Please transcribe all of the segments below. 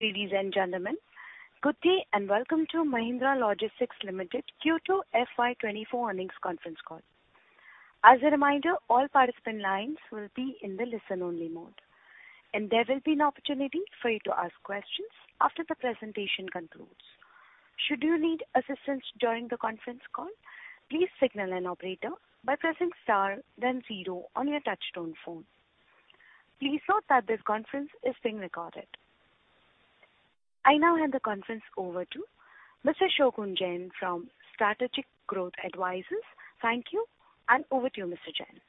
Ladies and gentlemen, good day, and welcome to Mahindra Logistics Limited Q2 FY 2024 earnings conference call. As a reminder, all participant lines will be in the listen-only mode, and there will be an opportunity for you to ask questions after the presentation concludes. Should you need assistance during the conference call, please signal an operator by pressing star then zero on your touchtone phone. Please note that this conference is being recorded. I now hand the conference over to Mr. Shogun Jain from Strategic Growth Advisors. Thank you, and over to you, Mr. Jain.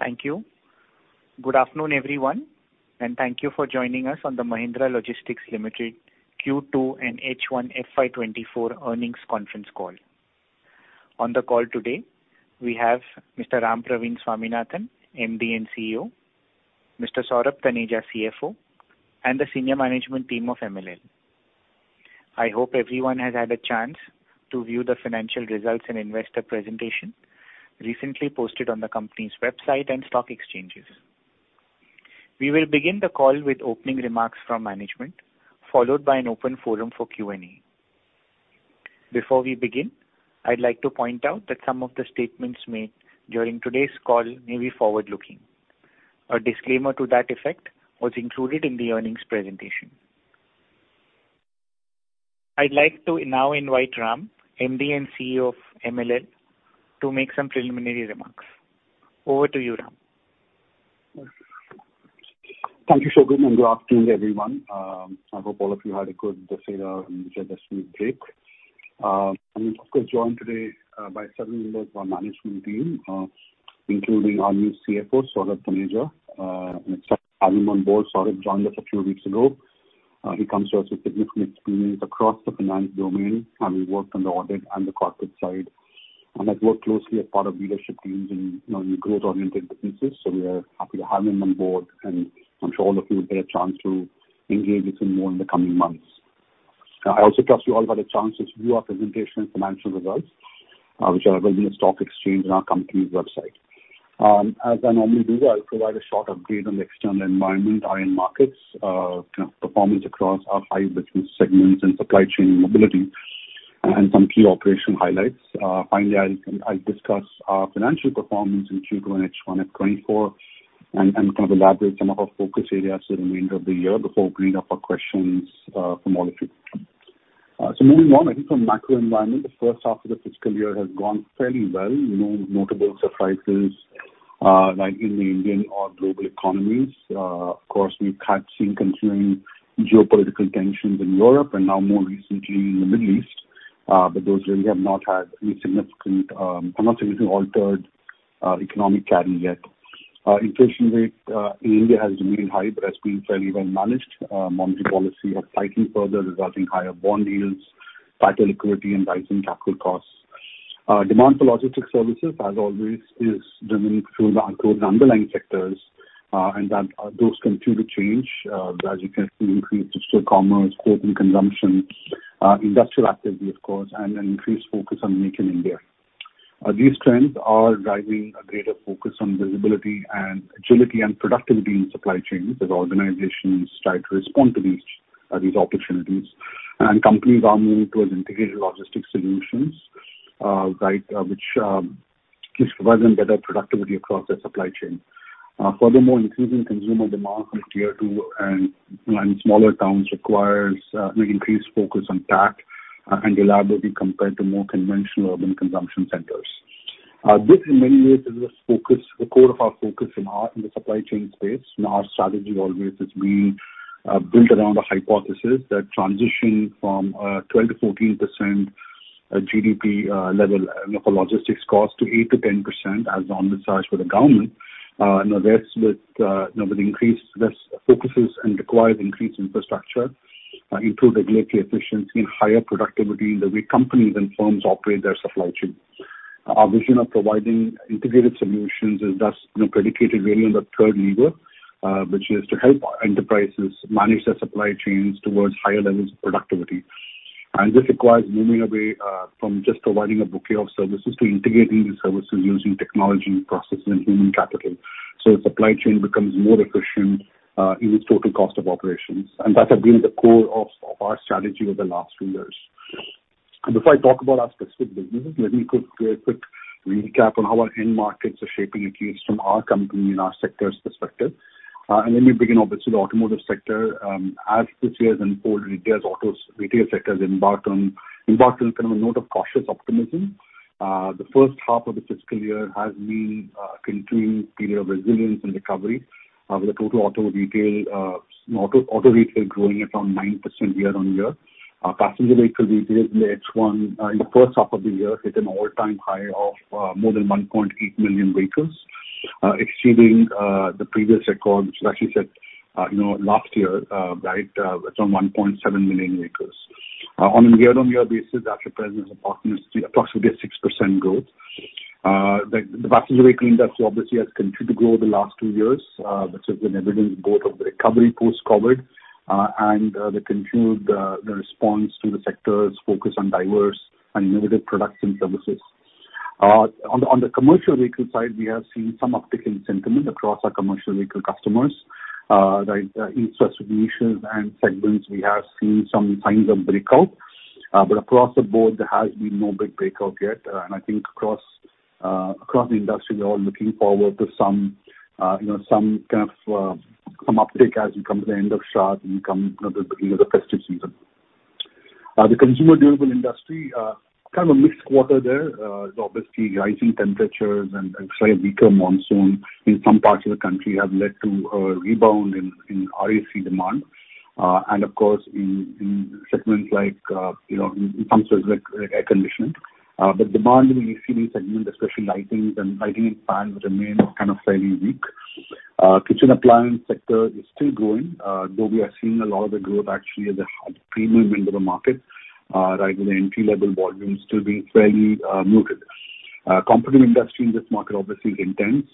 Thank you. Good afternoon, everyone, and thank you for joining us on the Mahindra Logistics Limited Q2 and H1 FY 2024 earnings conference call. On the call today, we have Mr. Rampraveen Swaminathan, MD and CEO, Mr. Saurabh Taneja, CFO, and the senior management team of MLL. I hope everyone has had a chance to view the financial results and investor presentation recently posted on the company's website and stock exchanges. We will begin the call with opening remarks from management, followed by an open forum for Q&A. Before we begin, I'd like to point out that some of the statements made during today's call may be forward-looking. A disclaimer to that effect was included in the earnings presentation. I'd like to now invite Ram, MD and CEO of MLL, to make some preliminary remarks. Over to you, Ram. Thank you, Shogun, and good afternoon, everyone. I hope all of you had a good weekend and enjoyed this week's break. I'm of course joined today by several members of our management team, including our new CFO, Saurabh Taneja. It's having him on board. Saurabh joined us a few weeks ago. He comes to us with significant experience across the finance domain, having worked on the audit and the corporate side, and has worked closely as part of leadership teams in, you know, in growth-oriented businesses. So we are happy to have him on board, and I'm sure all of you will get a chance to engage with him more in the coming months. I also trust you all have had a chance to view our presentation and financial results, which are available in the stock exchange on our company's website. As I normally do, I'll provide a short update on the external environment, iron markets, kind of performance across our high between segments and supply chain mobility, and some key operational highlights. Finally, I'll discuss our financial performance in Q2 and H1 of 2024 and kind of elaborate some of our focus areas for the remainder of the year before opening up for questions from all of you. So moving on, I think from macro environment, the first half of the fiscal year has gone fairly well. No notable surprises like in the Indian or global economies. Of course, we have seen continuing geopolitical tensions in Europe and now more recently in the Middle East, but those really have not had any significant, have not significantly altered economic carry yet. Inflation rate in India has remained high but has been fairly well managed. Monetary policy of hiking further, resulting in higher bond yields, tighter liquidity and rising capital costs. Demand for logistics services, as always, is driven through the underlying sectors, and that those continue to change, as you can see increased digital commerce, corporate consumption, industrial activity, of course, and an increased focus on Make in India. These trends are driving a greater focus on visibility and agility and productivity in supply chains as organizations try to respond to these, these opportunities. And companies are moving towards integrated logistics solutions, right, which keeps providing better productivity across their supply chain. Furthermore, increasing consumer demand for Tier 2 and smaller towns requires an increased focus on tech and reliability compared to more conventional urban consumption centers. This, in many ways, is the focus, the core of our focus in the supply chain space, and our strategy always has been built around a hypothesis that transitioning from 12%-14% GDP level of logistics cost to 8%-10%, as the government desires for the government, you know, this with, you know, with increased, this focuses and requires increased infrastructure, improved regulatory efficiency and higher productivity in the way companies and firms operate their supply chain. Our vision of providing integrated solutions is thus, you know, predicated really on the third lever, which is to help enterprises manage their supply chains towards higher levels of productivity. And this requires moving away from just providing a bouquet of services to integrating these services using technology, processes and human capital. So the supply chain becomes more efficient in its total cost of operations, and that has been the core of our strategy over the last few years. And before I talk about our specific businesses, let me quickly do a quick recap on how our end markets are shaping, at least from our company and our sector's perspective. And let me begin, obviously, the automotive sector, as this year has unfolded, retail, autos, retail sectors embarked on, embarked on kind of a note of cautious optimism. The first half of the fiscal year has been a continuing period of resilience and recovery, with the total auto retail growing at around 9% year-on-year. Passenger vehicle retail in H1, in the first half of the year, hit an all-time high of more than 1.8 million vehicles, exceeding the previous record, which was actually set, you know, last year, right, at around 1.7 million vehicles. On a year-on-year basis, that represents approximately a 6% growth. The passenger vehicle industry obviously has continued to grow over the last two years, which has been evidence both of the recovery post-COVID and the continued response to the sector's focus on diverse and innovative products and services. On the commercial vehicle side, we have seen some uptick in sentiment across our commercial vehicle customers. Like, in specific issues and segments, we have seen some signs of breakout. But across the board, there has been no big breakout yet. And I think across, across the industry, we are all looking forward to some, you know, some kind of, some uptick as we come to the end of Shradh and come, you know, the beginning of the festive season. The consumer durable industry, kind of a mixed quarter there. Obviously, rising temperatures and, and slightly weaker monsoon in some parts of the country have led to a rebound in, in RAC demand. And of course, in, in segments like, you know, in, in terms of like, like air conditioning. But demand in ECD segment, especially lightings and lighting fans, remain kind of fairly weak. Kitchen appliance sector is still growing, though we are seeing a lot of the growth actually as a premium end of the market, right, with the entry-level volumes still being fairly muted. Competitive industry in this market obviously intense,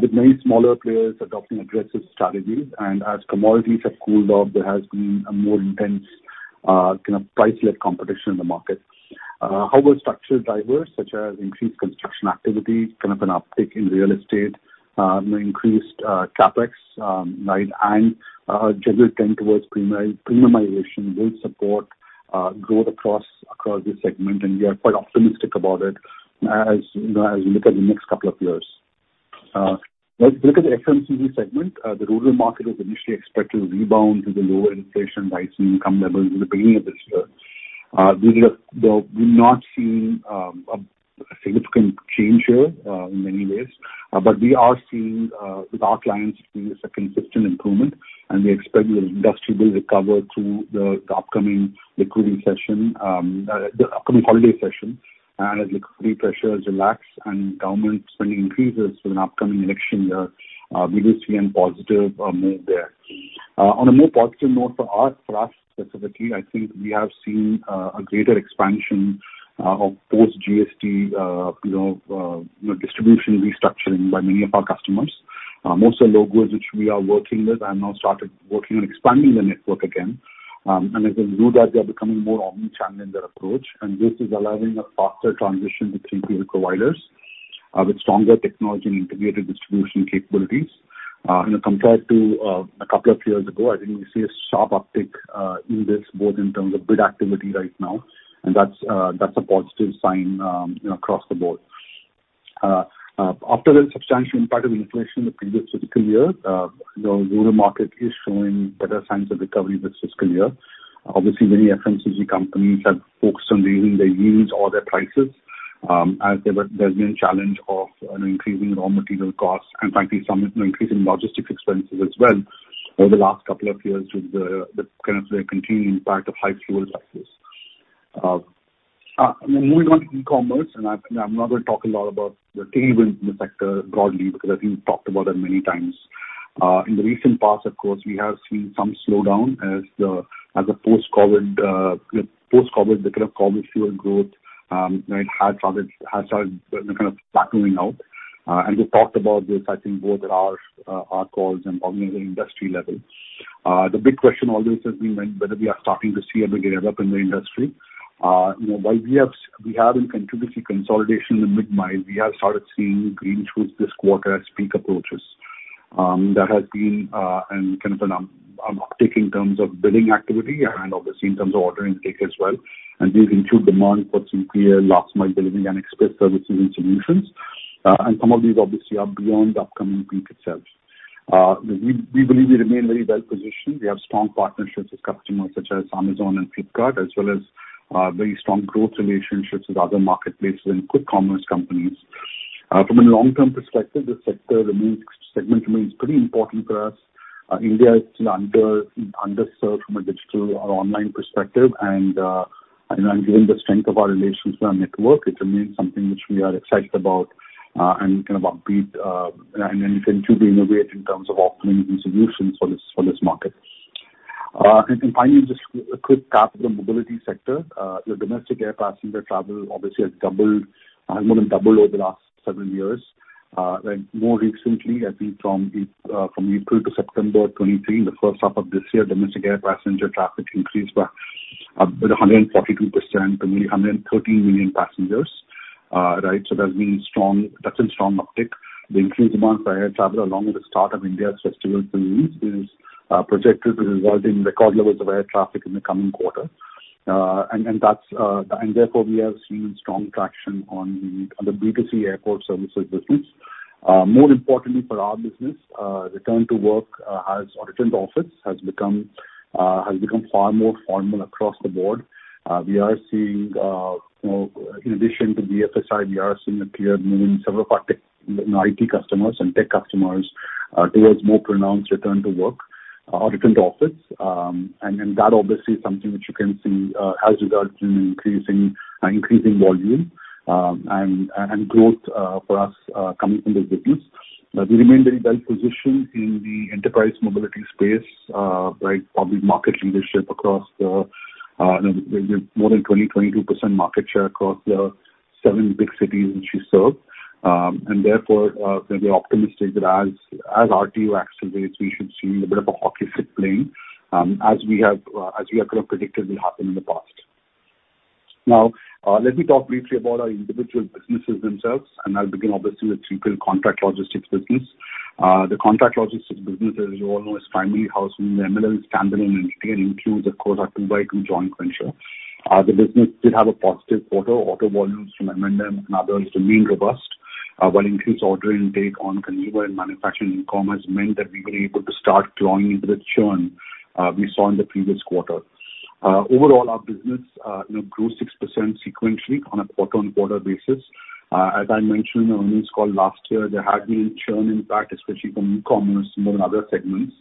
with many smaller players adopting aggressive strategies. And as commodities have cooled off, there has been a more intense kind of price-led competition in the market. However, structural drivers such as increased construction activity, kind of an uptick in real estate, increased CapEx, right, and general trend towards premiumization will support growth across this segment, and we are quite optimistic about it, as you know, as we look at the next couple of years. Let's look at the FMCG segment. The rural market was initially expected to rebound due to lower inflation, rising income levels in the beginning of this year. We are, we've not seen a significant change here, in many ways. But we are seeing, with our clients, seeing a consistent improvement, and we expect the industry will recover through the, the upcoming recruiting session, the upcoming holiday session. And as liquidity pressures relax and government spending increases in an upcoming election year, we do see a positive, move there. On a more positive note for us, for us specifically, I think we have seen a greater expansion, of post GST, you know, you know, distribution restructuring by many of our customers. Most of the logos which we are working with have now started working on expanding their network again. As they do that, they are becoming more omni-channel in their approach, and this is allowing a faster transition between service providers, with stronger technology and integrated distribution capabilities. You know, compared to a couple of years ago, I think we see a sharp uptick in this, both in terms of bid activity right now, and that's, that's a positive sign, you know, across the board. After the substantial impact of inflation in the previous fiscal year, you know, rural market is showing better signs of recovery this fiscal year. Obviously, many FMCG companies have focused on raising their yields or their prices, as there's been a challenge of, you know, increasing raw material costs, and frankly, some, you know, increasing logistics expenses as well over the last couple of years with the kind of continuing impact of high fuel prices. Moving on to e-commerce, and I'm not going to talk a lot about the tailwind in the sector broadly, because I think we've talked about that many times. In the recent past, of course, we have seen some slowdown as the post-COVID, the kind of COVID-fueled growth, right, has started kind of plateauing out. And we've talked about this, I think, both at our calls and on the industry level. The big question always has been whether we are starting to see a breakup in the industry. You know, while we have been contributing consolidation in mid-mile, we have started seeing green shoots this quarter as peak approaches. There has been kind of an uptick in terms of billing activity and obviously in terms of ordering intake as well. And these include demand for some clear last mile delivery and express services and solutions. And some of these obviously are beyond the upcoming peak itself. We believe we remain very well positioned. We have strong partnerships with customers such as Amazon and Flipkart, as well as very strong growth relationships with other marketplaces and quick commerce companies. From a long-term perspective, this sector remains, segment remains pretty important for us. India is still under, underserved from a digital or online perspective. And, and given the strength of our relationships and our network, it remains something which we are excited about, and kind of upbeat, and, and continue to innovate in terms of offerings and solutions for this, for this market. And finally, just a quick tap on the mobility sector. The domestic air passenger travel obviously has doubled, more than doubled over the last several years. And more recently, I think from the, from April to September 2023, the first half of this year, domestic air passenger traffic increased by 142% to 113 million passengers. Right, so that's been strong, that's a strong uptick. The increased demand for air travel along with the start of India's festival season is projected to result in record levels of air traffic in the coming quarter. And that's and therefore we have seen strong traction on the B2C airport services business. More importantly for our business, return to work or return to office has become far more formal across the board. We are seeing, you know, in addition to BFSI, we are seeing a clear move in several of our tech, you know, IT customers and tech customers, towards more pronounced return to work or return to office. And that obviously is something which you can see has resulted in increasing volume and growth for us coming from this business. We remain very well positioned in the enterprise mobility space, right, with market leadership across the, you know, more than 22% market share across the seven big cities which we serve. And therefore, we are optimistic that as RTO accelerates, we should see a bit of a hockey stick plan, as we have kind of predicted will happen in the past. Now, let me talk briefly about our individual businesses themselves, and I'll begin obviously with 3PL contract logistics business. The contract logistics business, as you all know, is primarily housed in the MLL subsidiaries, and again, includes, of course, our 2x2 joint venture. The business did have a positive quarter. Order volumes, the momentum, and others remained robust, while increased order intake on consumer and manufacturing commerce meant that we were able to start drawing into the churn we saw in the previous quarter. Overall, our business, you know, grew 6% sequentially on a quarter-on-quarter basis. As I mentioned on the news call last year, there had been churn, in fact, especially from e-commerce more than other segments,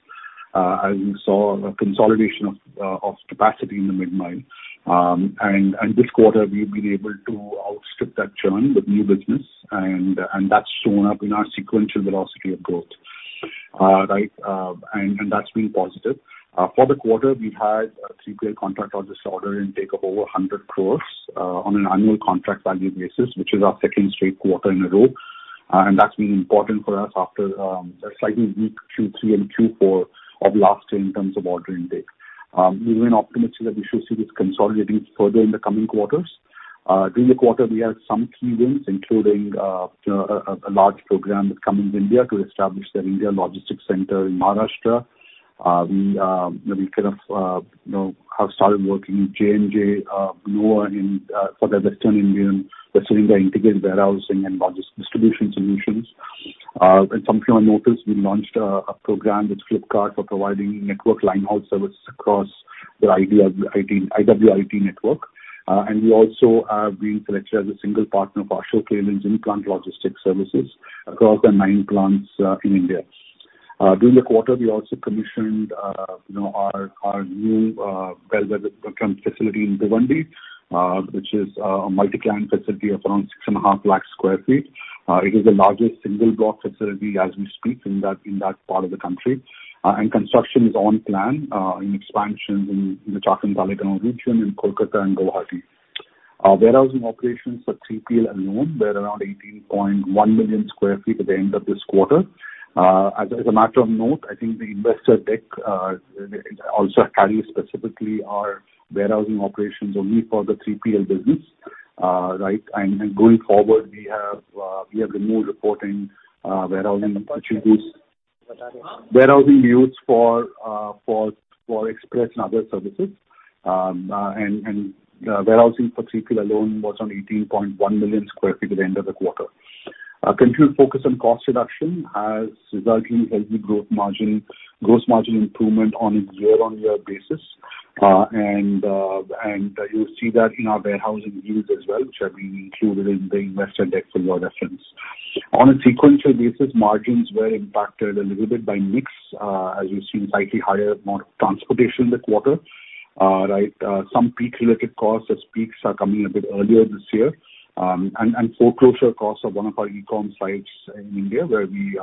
as we saw a consolidation of capacity in the mid-mile. And this quarter, we've been able to outstrip that churn with new business, and that's shown up in our sequential velocity of growth. Right, and that's been positive. For the quarter, we had a 3PL contract logistics order intake of over 100 crores, on an annual contract value basis, which is our second straight quarter in a row, and that's been important for us after a slightly weak Q3 and Q4 of last year in terms of order intake. We were optimistic that we should see this consolidating further in the coming quarters. During the quarter, we had some key wins, including a large program with Corning India to establish their India logistics center in Maharashtra. You know, we kind of, you know, have started working with J&J, for their Western Indian, we're serving their integrated warehousing and logistics distribution solutions. Some of you will notice, we launched a program with Flipkart for providing network line haul services across the IDW, ID, IWIT network. And we also have been selected as a single partner for Ashok Leyland's in-plant logistics services across the nine plants in India. During the quarter, we also commissioned, you know, our new warehouse facility in Bhiwandi, which is a multi-client facility of around 6.5 lakh sq ft. It is the largest single block facility as we speak in that part of the country. And construction is on plan in expansions in the Chakan, Talegaon region, in Kolkata and Guwahati. Warehousing operations for 3PL alone were around 18.1 million sq ft at the end of this quarter. As a matter of note, I think the investor deck also carries specifically our warehousing operations only for the 3PL business, right? And going forward, we have renewed reporting warehousing, which is warehousing yields for express and other services. Warehousing for 3PL alone was on 18.1 million sq ft at the end of the quarter. Our continued focus on cost reduction has resulted in healthy gross margin, gross margin improvement on a year-on-year basis. You'll see that in our warehousing yields as well, which have been included in the investor deck for your reference. On a sequential basis, margins were impacted a little bit by mix, as you see slightly higher mode of transportation in the quarter, right? Some peak-related costs as peaks are coming a bit earlier this year, and foreclosure costs of one of our e-com sites in India, where we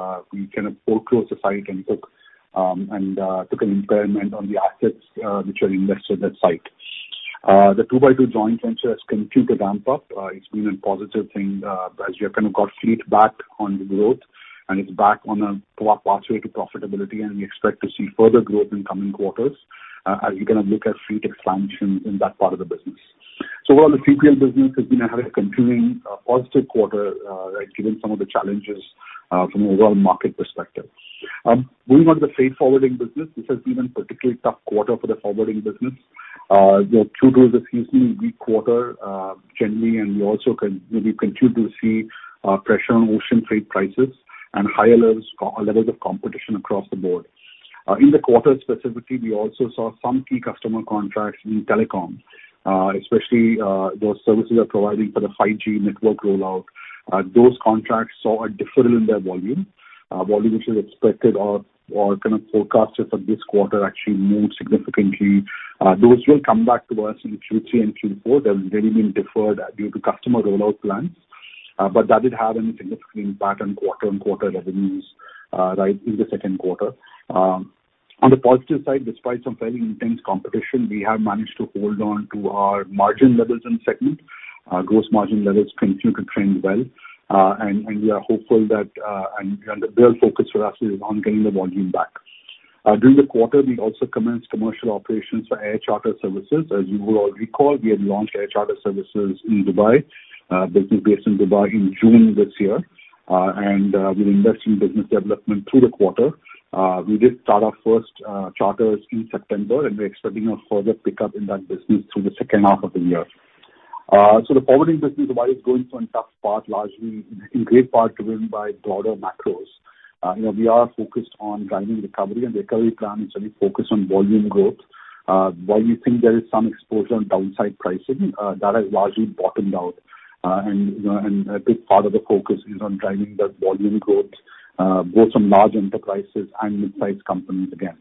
kind of foreclosed the site and took an impairment on the assets which are invested in that site. The 2×2 joint venture has continued to ramp up. It's been a positive thing, as we have kind of got fleet back on the growth, and it's back on a pro pathway to profitability, and we expect to see further growth in coming quarters, as we kind of look at fleet expansion in that part of the business. So while the 3PL business has been having a continuing positive quarter, right, given some of the challenges from an overall market perspective. Moving on to the freight forwarding business, this has been a particularly tough quarter for the forwarding business. You know, Q2 is a seasonally weak quarter, generally, and we also continue to see pressure on ocean freight prices and higher levels of competition across the board. In the quarter specifically, we also saw some key customer contracts in telecom, especially those services we are providing for the 5G network rollout. Those contracts saw a deferral in their volume, volume which is expected or kind of forecasted for this quarter actually moved significantly. Those will come back to us in Q3 and Q4. They've really been deferred due to customer rollout plans, but that did have a significant impact on quarter-on-quarter revenues, right, in the second quarter. On the positive side, despite some fairly intense competition, we have managed to hold on to our margin levels in second. Gross margin levels continue to trend well, and we are hopeful that the real focus for us is on getting the volume back. During the quarter, we also commenced commercial operations for air charter services. As you will all recall, we had launched air charter services in Dubai, business based in Dubai in June this year. And we've invested in business development through the quarter. We did start our first charters in September, and we're expecting a further pickup in that business through the second half of the year. So the forwarding business, while it's going through a tough part, largely in great part driven by broader macros, you know, we are focused on driving recovery, and the recovery plan is really focused on volume growth. While we think there is some exposure on downside pricing, that has largely bottomed out, and, you know, and a big part of the focus is on driving that volume growth, both from large enterprises and mid-sized companies again.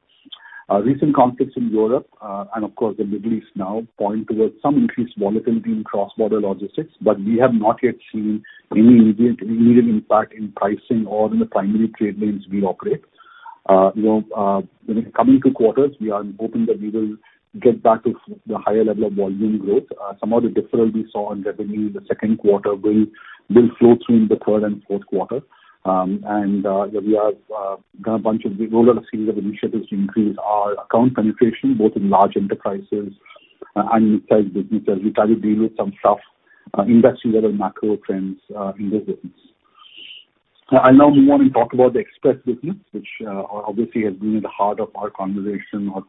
Recent conflicts in Europe, and of course, the Middle East now point towards some increased volatility in cross-border logistics, but we have not yet seen any immediate, immediate impact in pricing or in the primary trade lanes we operate. You know, when it coming to quarters, we are hoping that we will get back to the higher level of volume growth. Some of the deferral we saw on revenue in the second quarter will, will flow through in the third and fourth quarter. And we have done a bunch of, a whole lot of series of initiatives to increase our account penetration, both in large enterprises and mid-size businesses. We try to deal with some tough industry level macro trends in this business. I now move on and talk about the express business, which obviously has been at the heart of our conversation or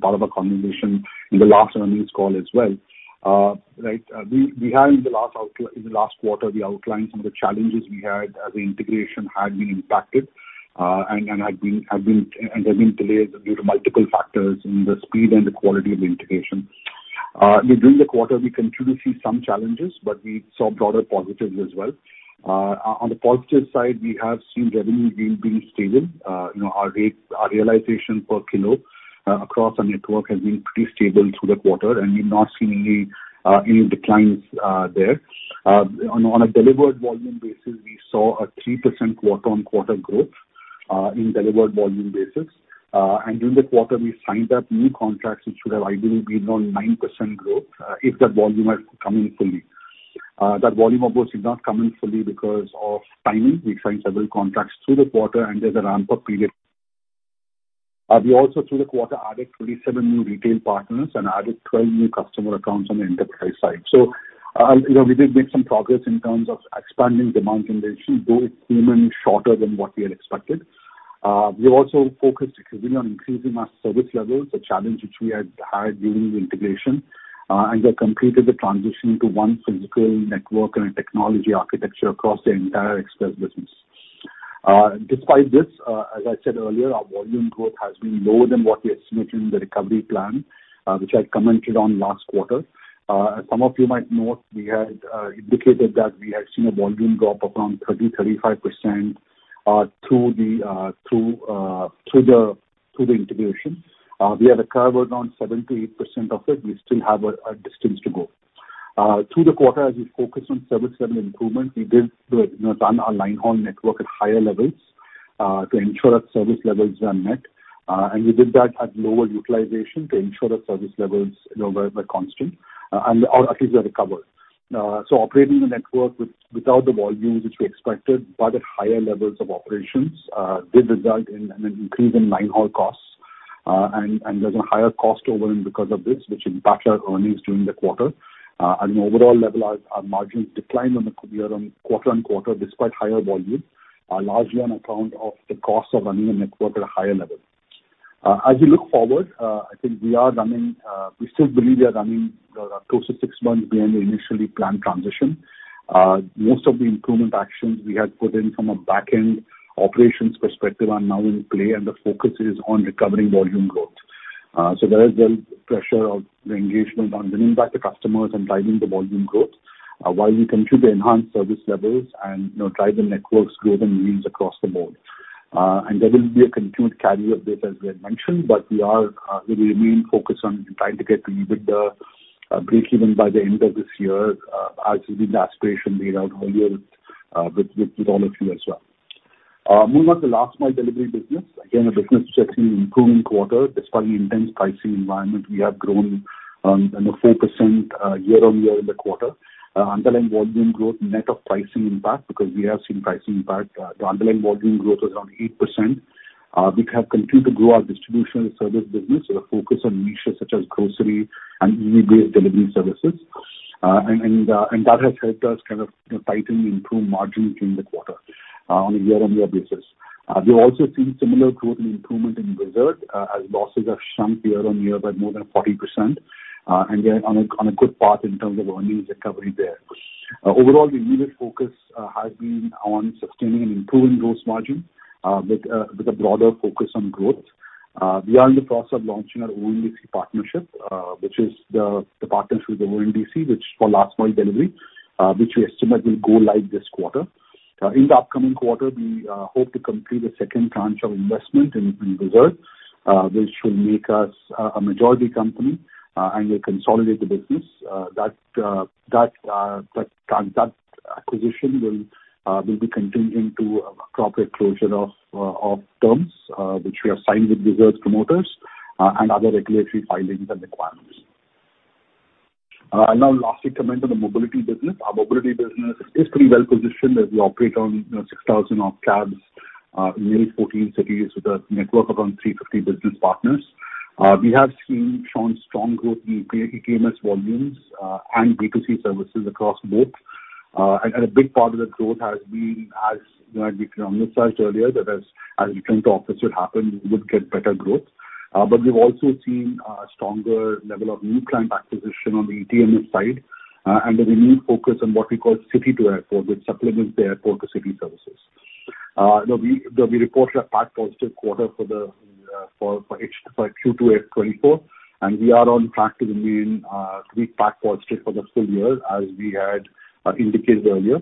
part of our conversation in the last earnings call as well. Right, we had in the last quarter, we outlined some of the challenges we had as the integration had been impacted, and has been delayed due to multiple factors in the speed and the quality of the integration. During the quarter, we continued to see some challenges, but we saw broader positives as well. On the positive side, we have seen revenue being stable. You know, our rate, our realization per kilo, across our network has been pretty stable through the quarter, and we've not seen any declines there. On a delivered volume basis, we saw a 3% quarter-on-quarter growth, in delivered volume basis. And during the quarter, we signed up new contracts, which should have ideally been around 9% growth, if that volume had come in fully. That volume, of course, did not come in fully because of timing. We signed several contracts through the quarter, and there's a ramp-up period. We also through the quarter added 27 new retail partners and added 12 new customer accounts on the enterprise side. So, you know, we did make some progress in terms of expanding demand generation, though it came in shorter than what we had expected. We also focused heavily on increasing our service levels, a challenge which we had had during the integration, and we have completed the transition to one physical network and a technology architecture across the entire express business. Despite this, as I said earlier, our volume growth has been lower than what we estimated in the recovery plan, which I commented on last quarter. As some of you might note, we had indicated that we had seen a volume drop of around 30%-35% through the integration. We have recovered around 7%-8% of it. We still have a distance to go. Through the quarter, as we focus on service level improvement, we did, you know, run our line haul network at higher levels to ensure that service levels are met. And we did that at lower utilization to ensure that service levels, you know, were constant, and/or at least they recovered. So operating the network without the volume which we expected, but at higher levels of operations, did result in an increase in line haul costs. And, and there's a higher cost overrun because of this, which impacted our earnings during the quarter. At an overall level, our, our margins declined on the quarter-on-quarter, despite higher volumes, largely on account of the cost of running a network at a higher level. As we look forward, I think we are running, we still believe we are running, close to six months behind the initially planned transition. Most of the improvement actions we had put in from a back-end operations perspective are now in play, and the focus is on recovering volume growth. So there is the pressure of the engagement on winning back the customers and driving the volume growth, while we continue to enhance service levels and, you know, drive the network's growth and yields across the board. And there will be a continued carry of this, as we had mentioned, but we are, we remain focused on trying to get to EBITDA breakeven by the end of this year, as has been the aspiration laid out earlier, with, with, with all of you as well. Moving on to last mile delivery business. Again, the business checks in improving quarter, despite the intense pricing environment, we have grown, you know, 4%, year-on-year in the quarter. Underlying volume growth, net of pricing impact, because we have seen pricing impact, the underlying volume growth is around 8%. We have continued to grow our distribution and service business, with a focus on niches such as grocery and e-commerce-based delivery services. That has helped us kind of, you know, tighten and improve margins in the quarter, on a year-on-year basis. We've also seen similar growth and improvement in express, as losses have shrunk year-on-year by more than 40%, and we are on a good path in terms of earnings recovery there. Overall, the immediate focus has been on sustaining and improving gross margin, with a broader focus on growth. We are in the process of launching our ONDC partnership, which is the partnership with ONDC for last mile delivery, which we estimate will go live this quarter. In the upcoming quarter, we hope to complete the second tranche of investment in Whizzard, which will make us a majority company, and will consolidate the business. That acquisition will be continuing to a proper closure of terms, which we have signed with Whizzard's promoters, and other regulatory filings and requirements. I'll now lastly comment on the mobility business. Our mobility business is pretty well positioned as we operate on, you know, 6,000-odd cabs in nearly 14 cities with a network of around 350 business partners. We have seen strong, strong growth in ETMS volumes, and B2C services across both. And a big part of that growth has been, as you know, as we emphasized earlier, that as a return to office would happen, we would get better growth. But we've also seen stronger level of new client acquisition on the ETMS side, and a renewed focus on what we call city to airport, which supplements the airport to city services. You know, we reported a PAT positive quarter for Q2 of 2024, and we are on track to remain to be PAT positive for the full year, as we had indicated earlier.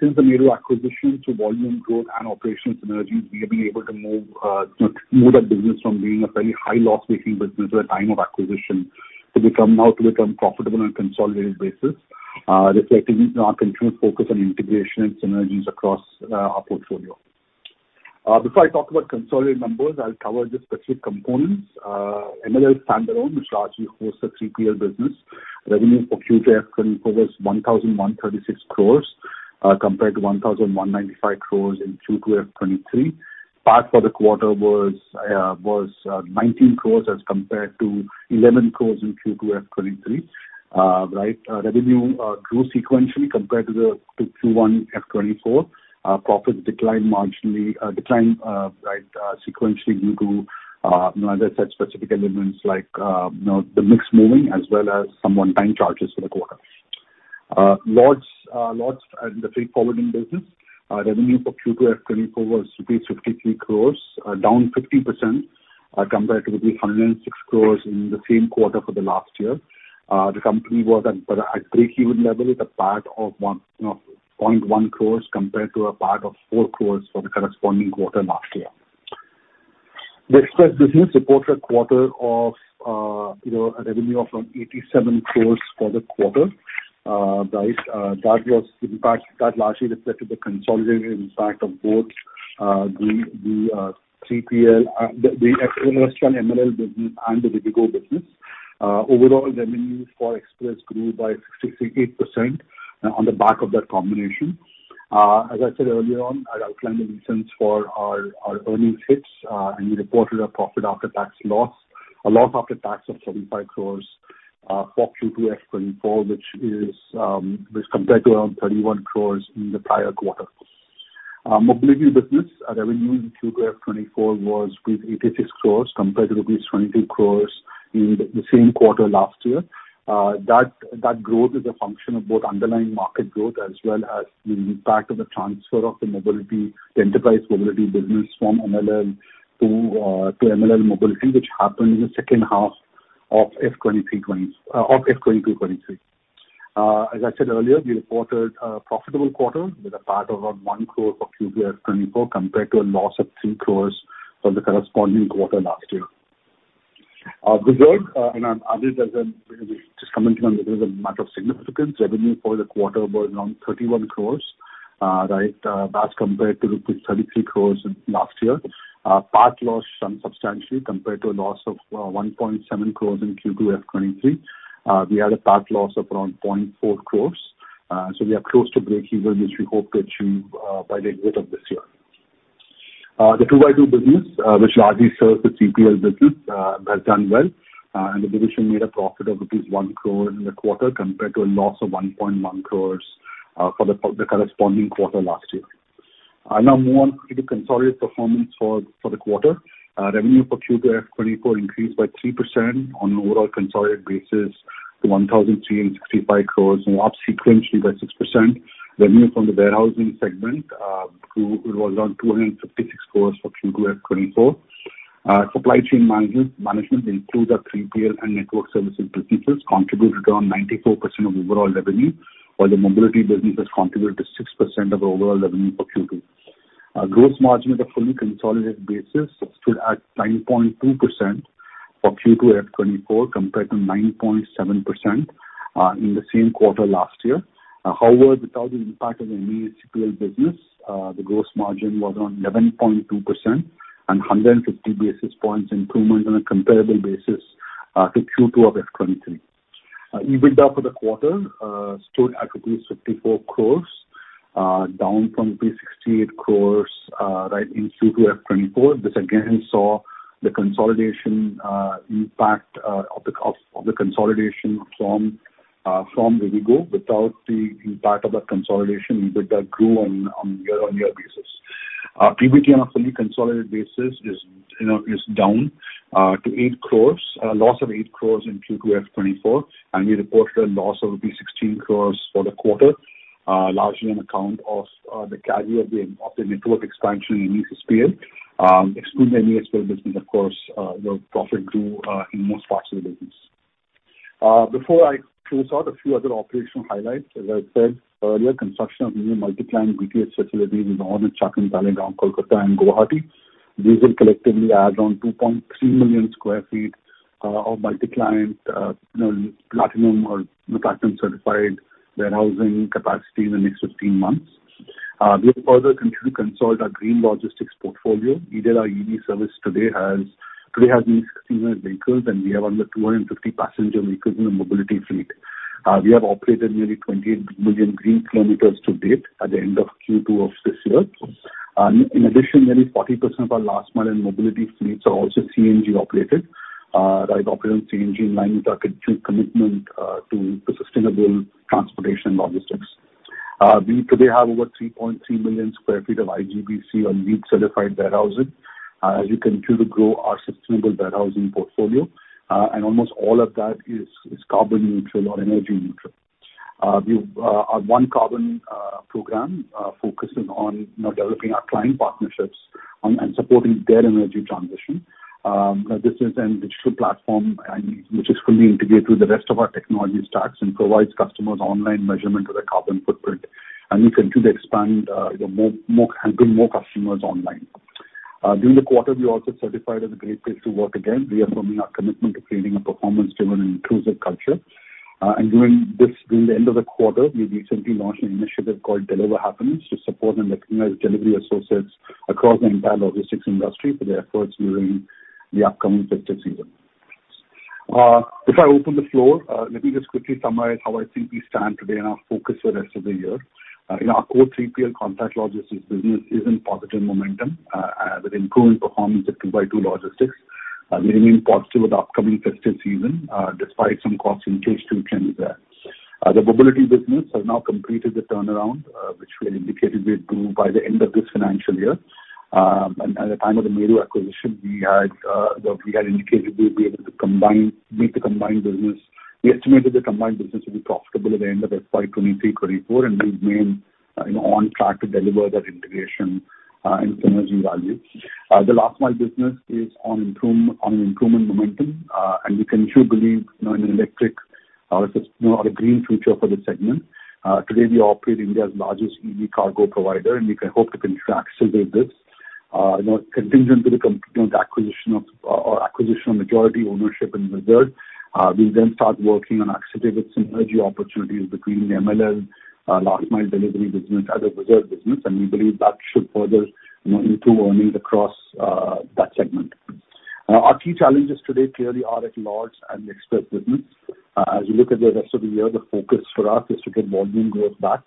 Since the Meru acquisition, through volume growth and operational synergies, we have been able to move, you know, move that business from being a very high loss-making business at the time of acquisition, to become, now to become profitable on a consolidated basis... reflecting our continued focus on integration and synergies across, our portfolio. Before I talk about consolidated numbers, I'll cover the specific components. MLL standalone, which largely hosts the 3PL business. Revenue for Q2 F2024 was 1,136 crores, compared to 1,195 crores in Q2 F2023. PAT for the quarter was, was, 19 crores as compared to 11 crores in Q2 F2023. Right, revenue grew sequentially compared to the, to Q1 F2024. Profits declined marginally, declined, right, sequentially due to, you know, as I said, specific elements like, you know, the mix moving as well as some one-time charges for the quarter. Logistics and the freight forwarding business revenue for Q2 F2024 was rupees 53 crores, down 50%, compared to rupees 106 crores in the same quarter for the last year. The company was at breakeven level with a PAT of 1.1 crores compared to a PAT of 4 crores for the corresponding quarter last year. The Express business reported a quarter of, you know, a revenue of around 87 crores for the quarter. Right, that largely reflected the consolidated impact of both, the 3PL, the Express industrial MLL business and the Rivigo business. Overall revenues for Express grew by 68% on the back of that combination. As I said earlier on, I outlined the reasons for our earnings hits, and we reported a profit after tax loss, a loss after tax of 35 crores, for Q2 F24, which compared to around 31 crores in the prior quarter. Our mobility business, our revenue in Q2 F2024 was 86 crores compared to rupees 22 crores in the same quarter last year. That growth is a function of both underlying market growth as well as the impact of the transfer of the mobility, the enterprise mobility business from MLL to MLL Mobility, which happened in the second half of F2023 of F2022, '2023. As I said earlier, we reported a profitable quarter with a PAT of around 1 crore for Q2 F2024, compared to a loss of 3 crores for the corresponding quarter last year. Whizzard, and I'll add it as just a comment on it as a matter of significance. Revenue for the quarter was around 31 crores, that's compared to rupees 33 crores last year. PAT lost some substantially compared to a loss of 1.7 crores in Q2 F2023. We had a PAT loss of around 0.4 crores. So we are close to breakeven, which we hope to achieve, by the end of this year. The 2x2 business, which largely serves the 3PL business, has done well, and the division made a profit of rupees 1 crore in the quarter, compared to a loss of 1.1 crores, for the corresponding quarter last year. Now more on to the consolidated performance for the quarter. Revenue for Q2 F2024 increased by 3% on an overall consolidated basis to 1,365 crores, and up sequentially by 6%. Revenue from the warehousing segment grew; it was around 256 crores for Q2 F2024. Supply chain management includes our 3PL and network services businesses, contributed around 94% of overall revenue, while the mobility business has contributed to 6% of overall revenue for Q2. Gross margin at a fully consolidated basis stood at 9.2% for Q2 F2024, compared to 9.7% in the same quarter last year. However, without the impact of the new 3PL business, the gross margin was around 11.2% and 150 basis points improvement on a comparable basis to Q2 of F2023. EBITDA for the quarter stood at rupees 54 crores, down from rupees 68 crores, right, in Q2 F2024. This again saw the consolidation impact of the consolidation from Rivigo. Without the impact of that consolidation, EBITDA grew on a year-on-year basis. PBT on a fully consolidated basis is, you know, down to 8 crore, a loss of 8 crore in Q2 F2024, and we reported a loss of rupees 16 crore for the quarter, largely on account of the caveat of the network expansion in MESPL. Excluding the MESPL business, of course, the profit grew in most parts of the business. Before I close out, a few other operational highlights. As I said earlier, construction of new multi-client BTS facilities is on in Chakan, Talegaon, Kolkata, and Guwahati. These will collectively add around 2.3 million sq ft of multi-client, you know, Platinum or Platinum-certified warehousing capacity in the next 15 months. We have further continued to consult our green logistics portfolio. eDeL, our EV service today has, today has nearly 69 vehicles, and we have under 250 passenger vehicles in the mobility fleet. We have operated nearly 20 million green kilometers to date at the end of Q2 of this year. In addition, nearly 40% of our last mile and mobility fleets are also CNG operated, right, operate on CNG, aligning our commitment to the sustainable transportation and logistics. We today have over 3.3 million sq ft of IGBC- or LEED-certified warehousing. As we continue to grow our sustainable warehousing portfolio, and almost all of that is carbon neutral or energy neutral. We've, our One Carbon program focuses on, you know, developing our client partnerships and supporting their energy transition. This is a digital platform and which is fully integrated with the rest of our technology stacks and provides customers online measurement of their carbon footprint, and we continue to expand, you know, more, more, helping more customers online. During the quarter, we also certified as a Great Place to Work again, reaffirming our commitment to creating a performance-driven, inclusive culture. During this, during the end of the quarter, we recently launched an initiative called Deliver Happiness to support and recognize delivery associates across the entire logistics industry for their efforts during the upcoming festive season. If I open the floor, let me just quickly summarize how I think we stand today and our focus for the rest of the year. In our core 3PL contract logistics business is in positive momentum, with improved performance at 2x2 Logistics, we remain positive with the upcoming festive season, despite some costs in H2 in there. The mobility business has now completed the turnaround, which we had indicated we'd do by the end of this financial year. And at the time of the Meru acquisition, we had, what we had indicated we'd be able to combine - meet the combined business. We estimated the combined business will be profitable at the end of FY 2023-2024, and we've remained, you know, on track to deliver that integration, and synergy value. The last mile business is on improvement momentum, and we continue to believe in an electric, you know, or a green future for this segment. Today, we operate India's largest EV cargo provider, and we can hope to continue to accelerate this. You know, contingent to the completion of the acquisition of majority ownership in Rivigo, we then start working on accelerating synergy opportunities between the MLL last mile delivery business and the Whizzard business, and we believe that should further, you know, improve earnings across that segment. Our key challenges today clearly are in large and express business. As you look at the rest of the year, the focus for us is to get volume growth back.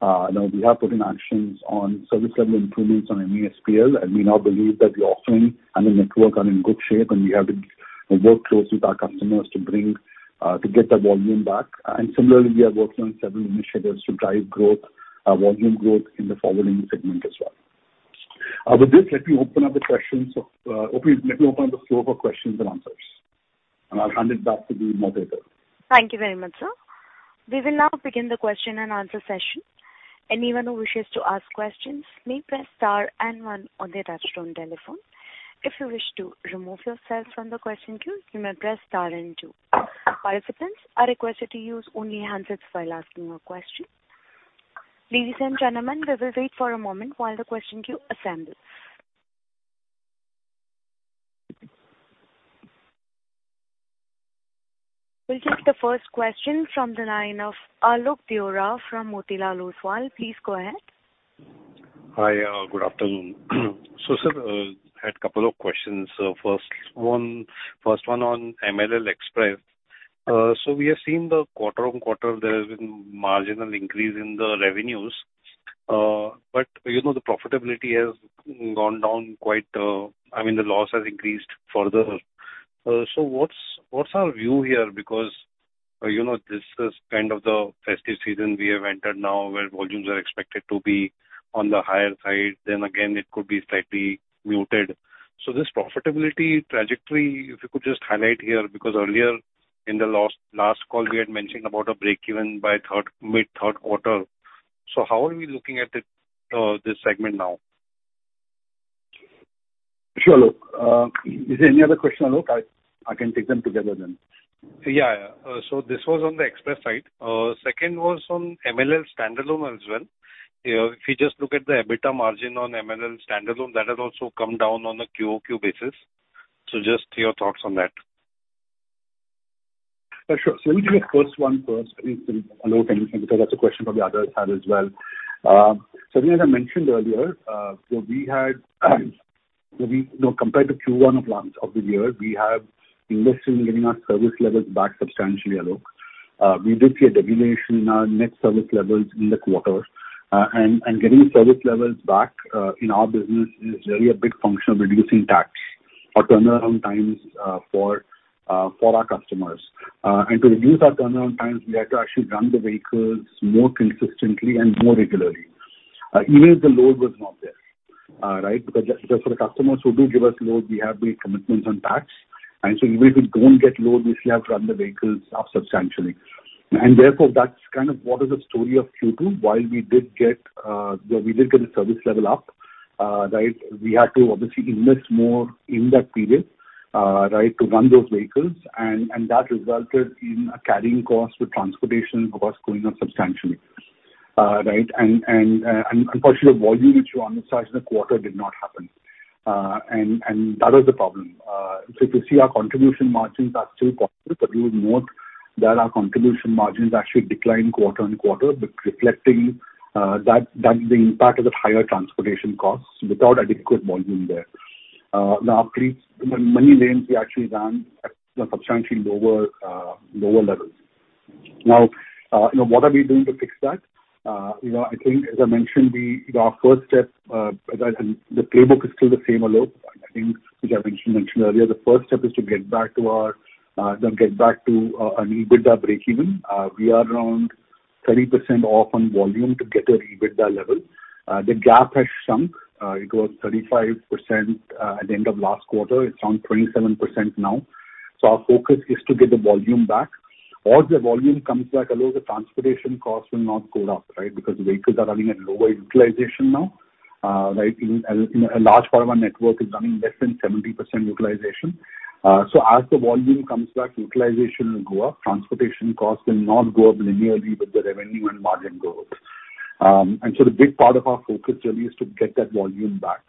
You know, we have put in actions on service level improvements on an MESPL, and we now believe that the offering and the network are in good shape, and we have to work close with our customers to bring to get that volume back. And similarly, we are working on several initiatives to drive growth, volume growth in the forwarding segment as well. With this, let me open up the floor for questions and answers, and I'll hand it back to the moderator. Thank you very much, sir. We will now begin the question and answer session. Anyone who wishes to ask questions may press star and one on their touchtone telephone. If you wish to remove yourself from the question queue, you may press star and two. Participants are requested to use only handsets while asking a question. Ladies and gentlemen, we will wait for a moment while the question queue assembles. We'll take the first question from the line of Alok Deora from Motilal Oswal. Please go ahead. Hi, good afternoon. So sir, I had a couple of questions. First one on MLL Express. So we have seen the quarter-on-quarter, there has been marginal increase in the revenues, but, you know, the profitability has gone down quite, I mean, the loss has increased further. So what's our view here? Because, you know, this is kind of the festive season we have entered now, where volumes are expected to be on the higher side, then again, it could be slightly muted. So this profitability trajectory, if you could just highlight here, because earlier in the last call, we had mentioned about a break even by third, mid-third quarter. So how are we looking at it, this segment now? Sure, Alok. Is there any other question, Alok? I can take them together then. Yeah, yeah. So this was on the express side. Second was on MLL standalone as well. If you just look at the EBITDA margin on MLL standalone, that has also come down on a QOQ basis. So just your thoughts on that. Sure. So let me take the first one first, Alok, anything, because that's a question probably others have as well. So as I mentioned earlier, so we had, you know, compared to Q1 of last year, we have invested in getting our service levels back substantially, Alok. We did see a degradation in our net service levels in the quarter. And getting service levels back in our business is really a big function of reducing TAT or turnaround times for our customers. And to reduce our turnaround times, we had to actually run the vehicles more consistently and more regularly, even if the load was not there. Right, because just for the customers who do give us load, we have the commitments on TAT, and so even if we don't get load, we still have to run the vehicles up substantially. And therefore, that's kind of what is the story of Q2. While we did get, we did get the service level up, right, we had to obviously invest more in that period, right, to run those vehicles, and, and that resulted in a carrying cost with transportation costs going up substantially, right? And, and, and unfortunately, the volume which you undersized in the quarter did not happen, and, and that was the problem. So if you see our contribution margins are still positive, but you will note that our contribution margins actually declined quarter-on-quarter, but reflecting, that, that's the impact of the higher transportation costs without adequate volume there. Now, after many lanes, we actually ran at substantially lower, lower levels. Now, you know, what are we doing to fix that? You know, I think as I mentioned, we, our first step, the playbook is still the same, Alok. I think as I mentioned, mentioned earlier, the first step is to get back to our, get back to, an EBITDA breakeven. We are around 30% off on volume to get to the EBITDA level. The gap has shrunk. It was 35%, at the end of last quarter. It's around 27% now. So our focus is to get the volume back. Once the volume comes back, Alok, the transportation costs will not go up, right? Because the vehicles are running at lower utilization now, right, and, you know, a large part of our network is running less than 70% utilization. So as the volume comes back, utilization will go up, transportation costs will not go up linearly, but the revenue and margin goes up. And so the big part of our focus really is to get that volume back.